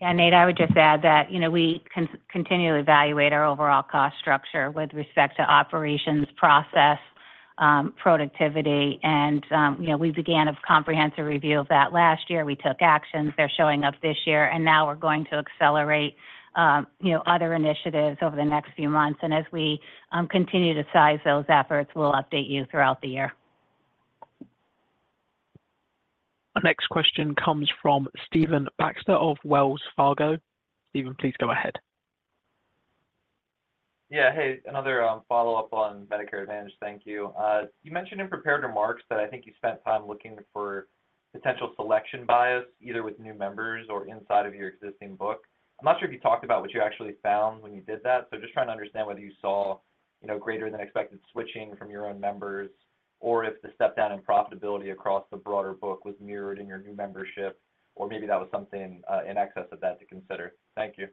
Yeah, Nate, I would just add that, you know, we continually evaluate our overall cost structure with respect to operations, process, productivity, and, you know, we began a comprehensive review of that last year. We took actions. They're showing up this year, and now we're going to accelerate, you know, other initiatives over the next few months. And as we continue to size those efforts, we'll update you throughout the year. Our next question comes from Stephen Baxter of Wells Fargo. Stephen, please go ahead. Yeah, hey, another follow-up on Medicare Advantage. Thank you. You mentioned in prepared remarks that I think you spent time looking for potential selection bias, either with new members or inside of your existing book. I'm not sure if you talked about what you actually found when you did that, so just trying to understand whether you saw, you know, greater than expected switching from your own members, or if the step down in profitability across the broader book was mirrored in your new membership, or maybe that was something in excess of that to consider. Thank you.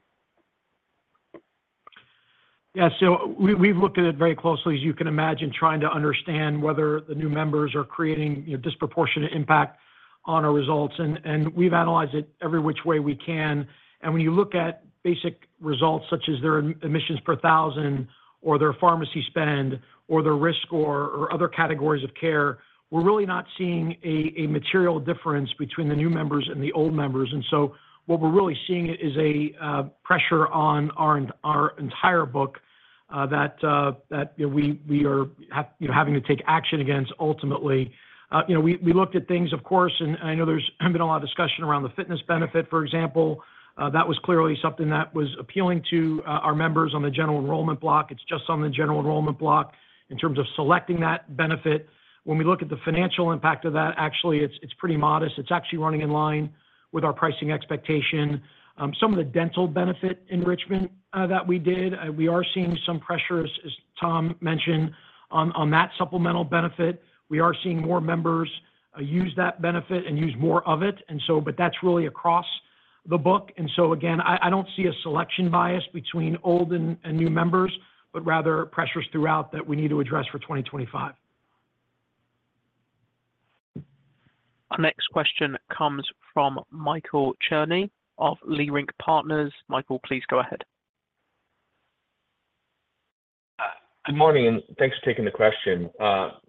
Yeah, so we've looked at it very closely, as you can imagine, trying to understand whether the new members are creating a disproportionate impact on our results. And we've analyzed it every which way we can. And when you look at basic results, such as their admissions per thousand, or their pharmacy spend, or their risk score, or other categories of care, we're really not seeing a material difference between the new members and the old members. And so what we're really seeing is a pressure on our entire book that that you know we are have you know having to take action against ultimately. You know, we looked at things, of course, and I know there's been a lot of discussion around the fitness benefit, for example. That was clearly something that was appealing to our members on the general enrollment block. It's just on the general enrollment block in terms of selecting that benefit. When we look at the financial impact of that, actually it's pretty modest. It's actually running in line with our pricing expectation. Some of the dental benefit enrichment that we did, we are seeing some pressures, as Tom mentioned, on that supplemental benefit. We are seeing more members use that benefit and use more of it, and so but that's really across-... the book. And so again, I don't see a selection bias between old and new members, but rather pressures throughout that we need to address for 2025. Our next question comes from Michael Cherny of Leerink Partners. Michael, please go ahead. Good morning, and thanks for taking the question.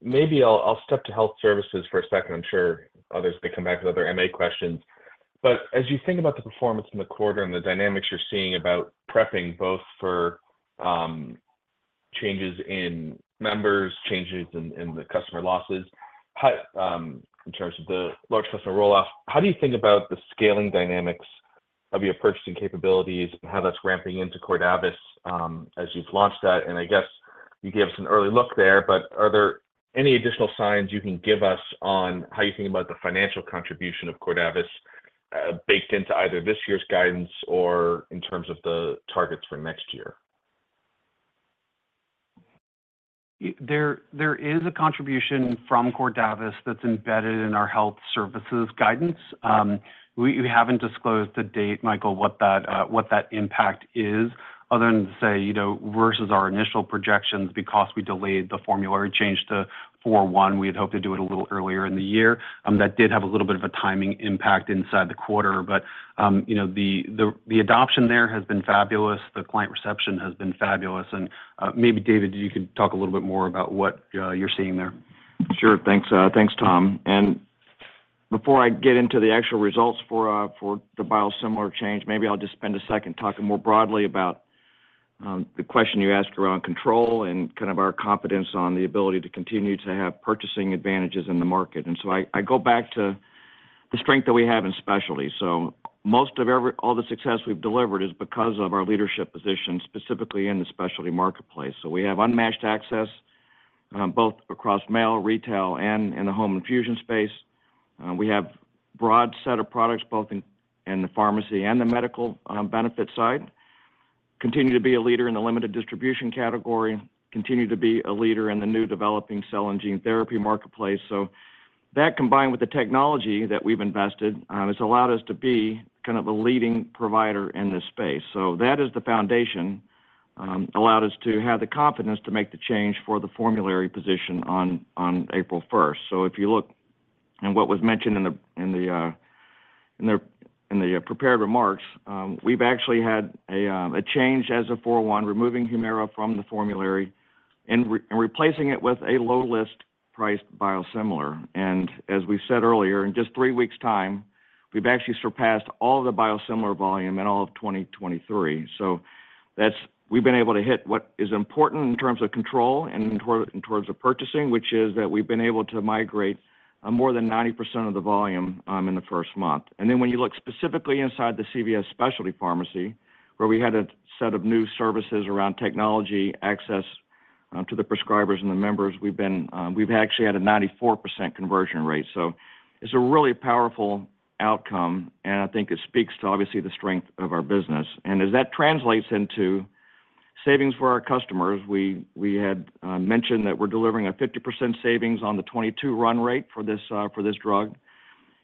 Maybe I'll stick to Health Services for a second. I'm sure others can come back with other M&A questions. But as you think about the performance in the quarter and the dynamics you're seeing about prepping, both for changes in members, changes in the customer losses, how in terms of the large customer roll-off, how do you think about the scaling dynamics of your purchasing capabilities and how that's ramping into Cordavis as you've launched that? And I guess you gave us an early look there, but are there any additional signs you can give us on how you think about the financial contribution of Cordavis baked into either this year's guidance or in terms of the targets for next year? There, there is a contribution from Cordavis that's embedded in our Health Services guidance. We haven't disclosed to date, Michael, what that impact is, other than to say, you know, versus our initial projections, because we delayed the formulary change to four one, we had hoped to do it a little earlier in the year. That did have a little bit of a timing impact inside the quarter, but, you know, the adoption there has been fabulous. The client reception has been fabulous, and, maybe, David, you could talk a little bit more about what you're seeing there. Sure. Thanks, thanks, Tom. And before I get into the actual results for, for the biosimilar change, maybe I'll just spend a second talking more broadly about, the question you asked around control and kind of our confidence on the ability to continue to have purchasing advantages in the market. And so I go back to the strength that we have in specialty. So most of all the success we've delivered is because of our leadership position, specifically in the specialty marketplace. So we have unmatched access, both across mail, retail, and in the home infusion space. And we have broad set of products, both in the pharmacy and the medical, benefit side. Continue to be a leader in the limited distribution category, continue to be a leader in the new developing cell and gene therapy marketplace. So that, combined with the technology that we've invested, has allowed us to be kind of a leading provider in this space. So that is the foundation, allowed us to have the confidence to make the change for the formulary position on on April first. So if you look at what was mentioned in the, in the prepared remarks, we've actually had a change as of April 1, removing Humira from the formulary, and replacing it with a low list priced biosimilar. And as we said earlier, in just three weeks time, we've actually surpassed all the biosimilar volume in all of 2023. So that's. We've been able to hit what is important in terms of control and in towards the purchasing, which is that we've been able to migrate more than 90% of the volume in the first month. And then when you look specifically inside the CVS Specialty pharmacy, where we had a set of new services around technology, access to the prescribers and the members, we've been, we've actually had a 94% conversion rate. So it's a really powerful outcome, and I think it speaks to, obviously, the strength of our business. And as that translates into savings for our customers, we had mentioned that we're delivering a 50% savings on the 2022 run rate for this drug.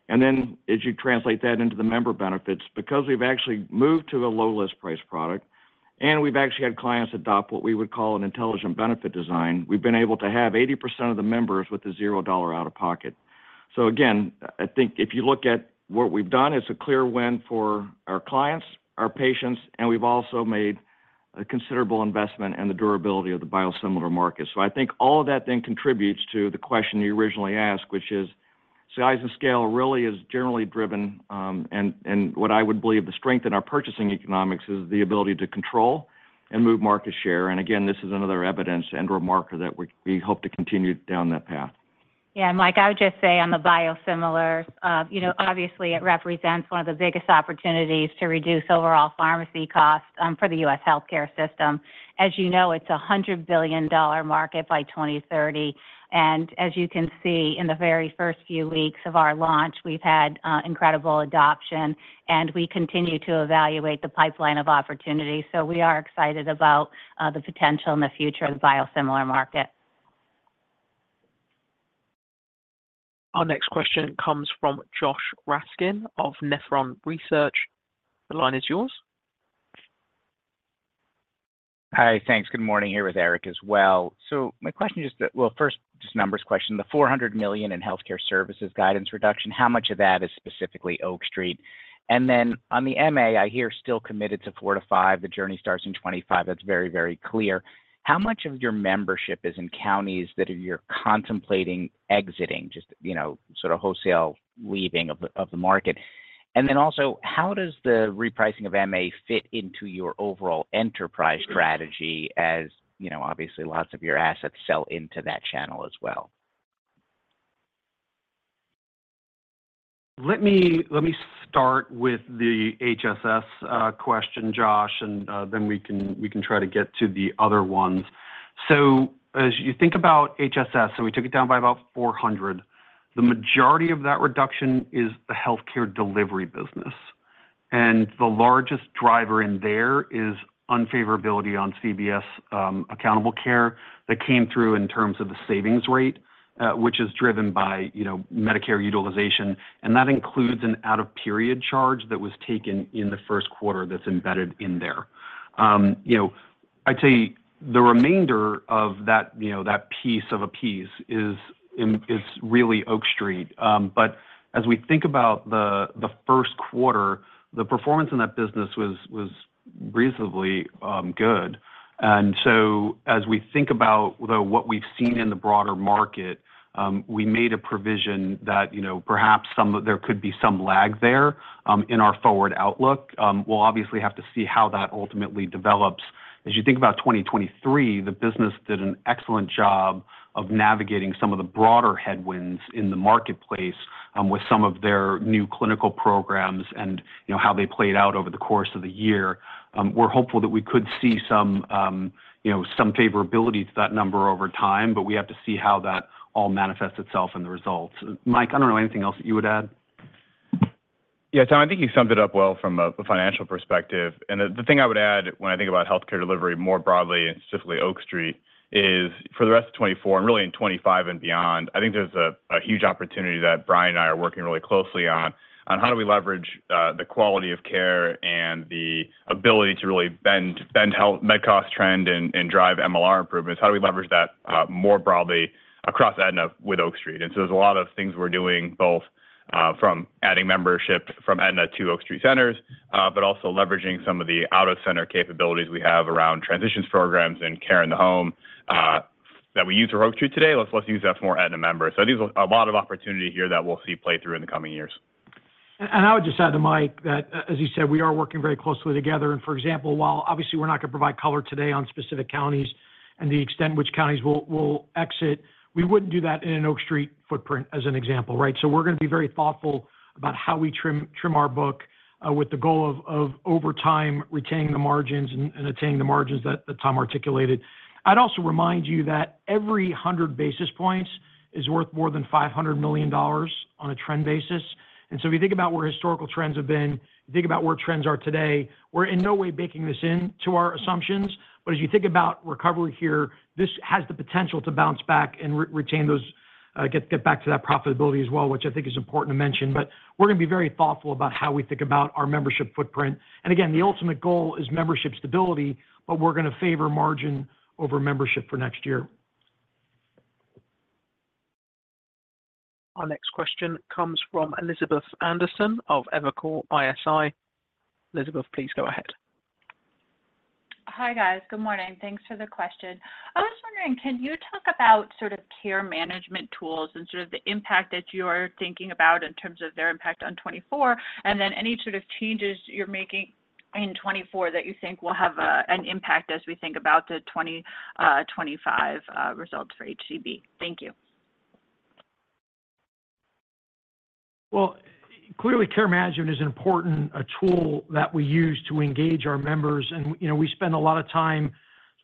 And then as you translate that into the member benefits, because we've actually moved to the low list price product, and we've actually had clients adopt what we would call an intelligent benefit design, we've been able to have 80% of the members with a $0 out-of-pocket. So again, I think if you look at what we've done, it's a clear win for our clients, our patients, and we've also made a considerable investment in the durability of the biosimilar market. So I think all of that then contributes to the question you originally asked, which is, size and scale really is generally driven. And what I would believe, the strength in our purchasing economics is the ability to control and move market share. And again, this is another evidence in the market that we hope to continue down that path. Yeah, and Mike, I would just say on the biosimilar, you know, obviously it represents one of the biggest opportunities to reduce overall pharmacy costs, for the U.S. Health Care System. As you know, it's a $100 billion market by 2030, and as you can see, in the very first few weeks of our launch, we've had, incredible adoption, and we continue to evaluate the pipeline of opportunities. So we are excited about, the potential in the future of the biosimilar market. Our next question comes from Josh Raskin of Nephron Research. The line is yours. Hi, thanks. Good morning, here with Eric as well. So my question is that. Well, first, just numbers question. The $400 million in Health Care Services Guidance Reduction, how much of that is specifically Oak Street? And then on the MA, I hear still committed to 4-5. The journey starts in 2025. That's very, very clear. How much of your membership is in counties that you're contemplating exiting, just, you know, sort of wholesale leaving of the, of the market? And then also, how does the repricing of MA fit into your overall enterprise strategy, as, you know, obviously lots of your assets sell into that channel as well? Let me, let me start with the HSS question, Josh, and then we can, we can try to get to the other ones. So as you think about HSS, so we took it down by about $400. The majority of that reduction is the Health Care Delivery business, and the largest driver in there is unfavorability on CVS Accountable Care that came through in terms of the savings rate, which is driven by, you know, Medicare utilization, and that includes an out-of-period charge that was taken in the first quarter that's embedded in there. You know, I'd say the remainder of that, you know, that piece of a piece is is really Oak Street. But as we think about the first quarter, the performance in that business was reasonably good. And so, as we think about, though, what we've seen in the broader market, we made a provision that, you know, perhaps there could be some lag there in our forward outlook. We'll obviously have to see how that ultimately develops. As you think about 2023, the business did an excellent job of navigating some of the broader headwinds in the marketplace with some of their new clinical programs and, you know, how they played out over the course of the year. We're hopeful that we could see some, you know, some favorability to that number over time, but we have to see how that all manifests itself in the results. Mike, I don't know, anything else that you would add? Yeah, Tom, I think you summed it up well from a financial perspective. And the thing I would add when I think about Health Care Delivery more broadly, and specifically Oak Street, is for the rest of 2024, and really in 2025 and beyond, I think there's a huge opportunity that Brian and I are working really closely on, on how do we leverage the quality of care and the ability to really bend medical cost trend and drive MLR improvements. How do we leverage that more broadly across Aetna with Oak Street? And so there's a lot of things we're doing, both from adding membership from Aetna to Oak Street centers, but also leveraging some of the out-of-center capabilities we have around transitions programs and care in the home that we use for Oak Street today. Let's use that for more Aetna members. So I think there's a lot of opportunity here that we'll see play through in the coming years. I would just add to Mike that as you said, we are working very closely together. For example, while obviously we're not gonna provide color today on specific counties and the extent to which counties will exit, we wouldn't do that in an Oak Street footprint, as an example, right? So we're gonna be very thoughtful about how we trim our book with the goal of over time retaining the margins and attaining the margins that Tom articulated. I'd also remind you that every 100 basis points is worth more than $500 million on a trend basis. And so if you think about where historical trends have been, you think about where trends are today, we're in no way baking this in to our assumptions. But as you think about recovery here, this has the potential to bounce back and re-retain those, back to that profitability as well, which I think is important to mention. But we're gonna be very thoughtful about how we think about our membership footprint. Again, the ultimate goal is membership stability, but we're gonna favor margin over membership for next year. Our next question comes from Elizabeth Anderson of Evercore ISI. Elizabeth, please go ahead. Hi, guys. Good morning. Thanks for the question. I was just wondering, can you talk about sort of care management tools and sort of the impact that you're thinking about in terms of their impact on 2024, and then any sort of changes you're making in 2024 that you think will have an impact as we think about the 2025 results for HCB? Thank you. Well, clearly, care management is an important tool that we use to engage our members. And, you know, we spend a lot of time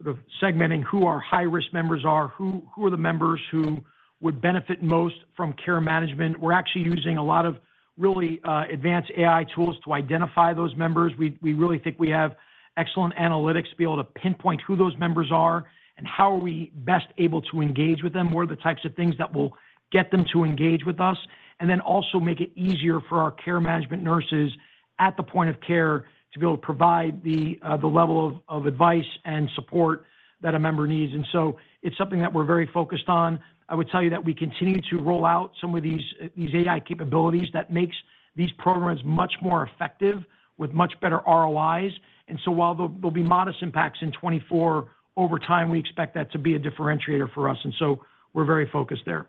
sort of segmenting who our high-risk members are, who are the members who would benefit most from care management. We're actually using a lot of really advanced AI tools to identify those members. We really think we have excellent analytics to be able to pinpoint who those members are and how are we best able to engage with them, what are the types of things that will get them to engage with us, and then also make it easier for our care management nurses at the point of care to be able to provide the level of advice and support that a member needs. And so it's something that we're very focused on. I would tell you that we continue to roll out some of these, these AI capabilities that makes these programs much more effective with much better ROIs. And so while there will be modest impacts in 2024, over time, we expect that to be a differentiator for us. And so we're very focused there.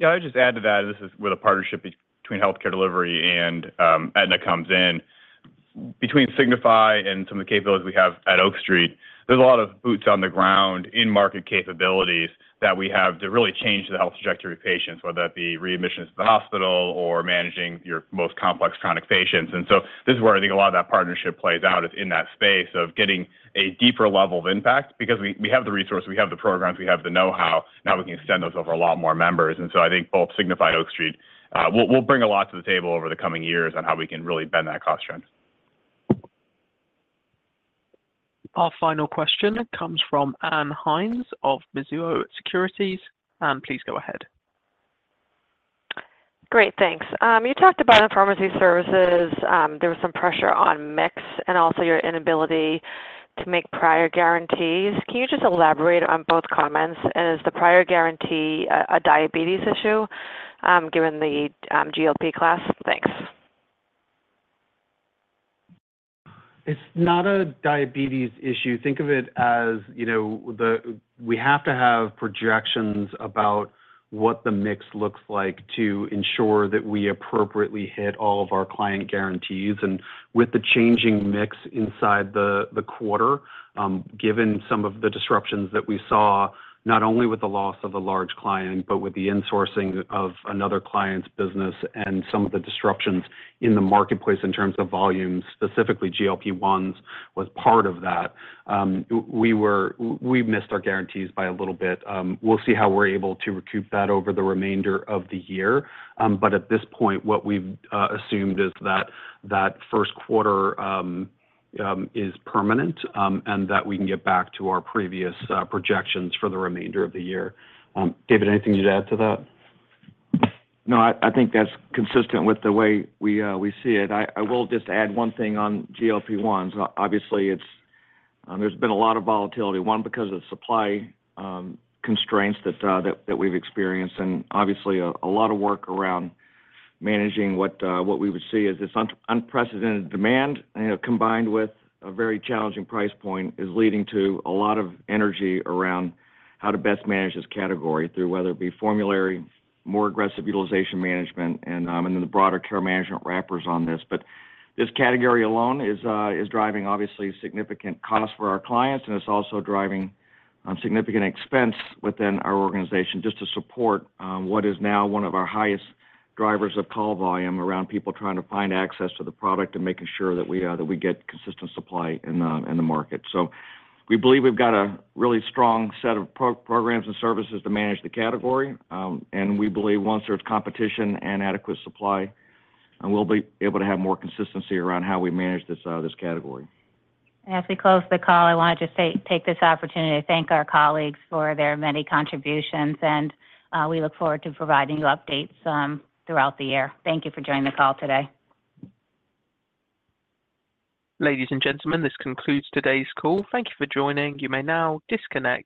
Yeah, I would just add to that. This is where the partnership between Health Care Delivery and Aetna comes in. Between Signify and some of the capabilities we have at Oak Street, there's a lot of boots on the ground in market capabilities that we have to really change the health trajectory of patients, whether that be readmissions to the hospital or managing your most complex chronic patients. And so this is where I think a lot of that partnership plays out, is in that space of getting a deeper level of impact, because we have the resources, we have the programs, we have the know-how. Now we can extend those over a lot more members. And so I think both Signify and Oak Street will bring a lot to the table over the coming years on how we can really bend that cost trend. Our final question comes from Ann Hynes of Mizuho Securities. Ann, please go ahead. Great, thanks. You talked about pharmacy services. There was some pressure on mix and also your inability to make prior guarantees. Can you just elaborate on both comments? And is the prior guarantee a diabetes issue, given the GLP-1 class? Thanks. It's not a diabetes issue. Think of it as, you know, the. We have to have projections about what the mix looks like to ensure that we appropriately hit all of our client guarantees. And with the changing mix inside the the quarter, given some of the disruptions that we saw, not only with the loss of a large client, but with the insourcing of another client's business and some of the disruptions in the marketplace in terms of volumes, specifically GLP-1s was part of that, we missed our guarantees by a little bit. We'll see how we're able to recoup that over the remainder of the year. But at this point, what we've assumed is that that first quarter is permanent, and that we can get back to our previous projections for the remainder of the year. David, anything you'd add to that? No, I think that's consistent with the way we see it. I will just add one thing on GLP-1s. Obviously, there's been a lot of volatility, one, because of supply constraints that we've experienced, and obviously, a lot of work around managing what we would see as this unprecedented demand, you know, combined with a very challenging price point, is leading to a lot of energy around how to best manage this category, through whether it be formulary, more aggressive utilization management, and then the broader care management wrappers on this. But this category alone is driving obviously significant costs for our clients, and it's also driving significant expense within our organization just to support what is now one of our highest drivers of call volume around people trying to find access to the product and making sure that we get consistent supply in the market. So we believe we've got a really strong set of programs and services to manage the category. And we believe once there's competition and adequate supply, we'll be able to have more consistency around how we manage this category. As we close the call, I want to just take this opportunity to thank our colleagues for their many contributions, and we look forward to providing you updates throughout the year. Thank you for joining the call today. Ladies and gentlemen, this concludes today's call. Thank you for joining. You may now disconnect.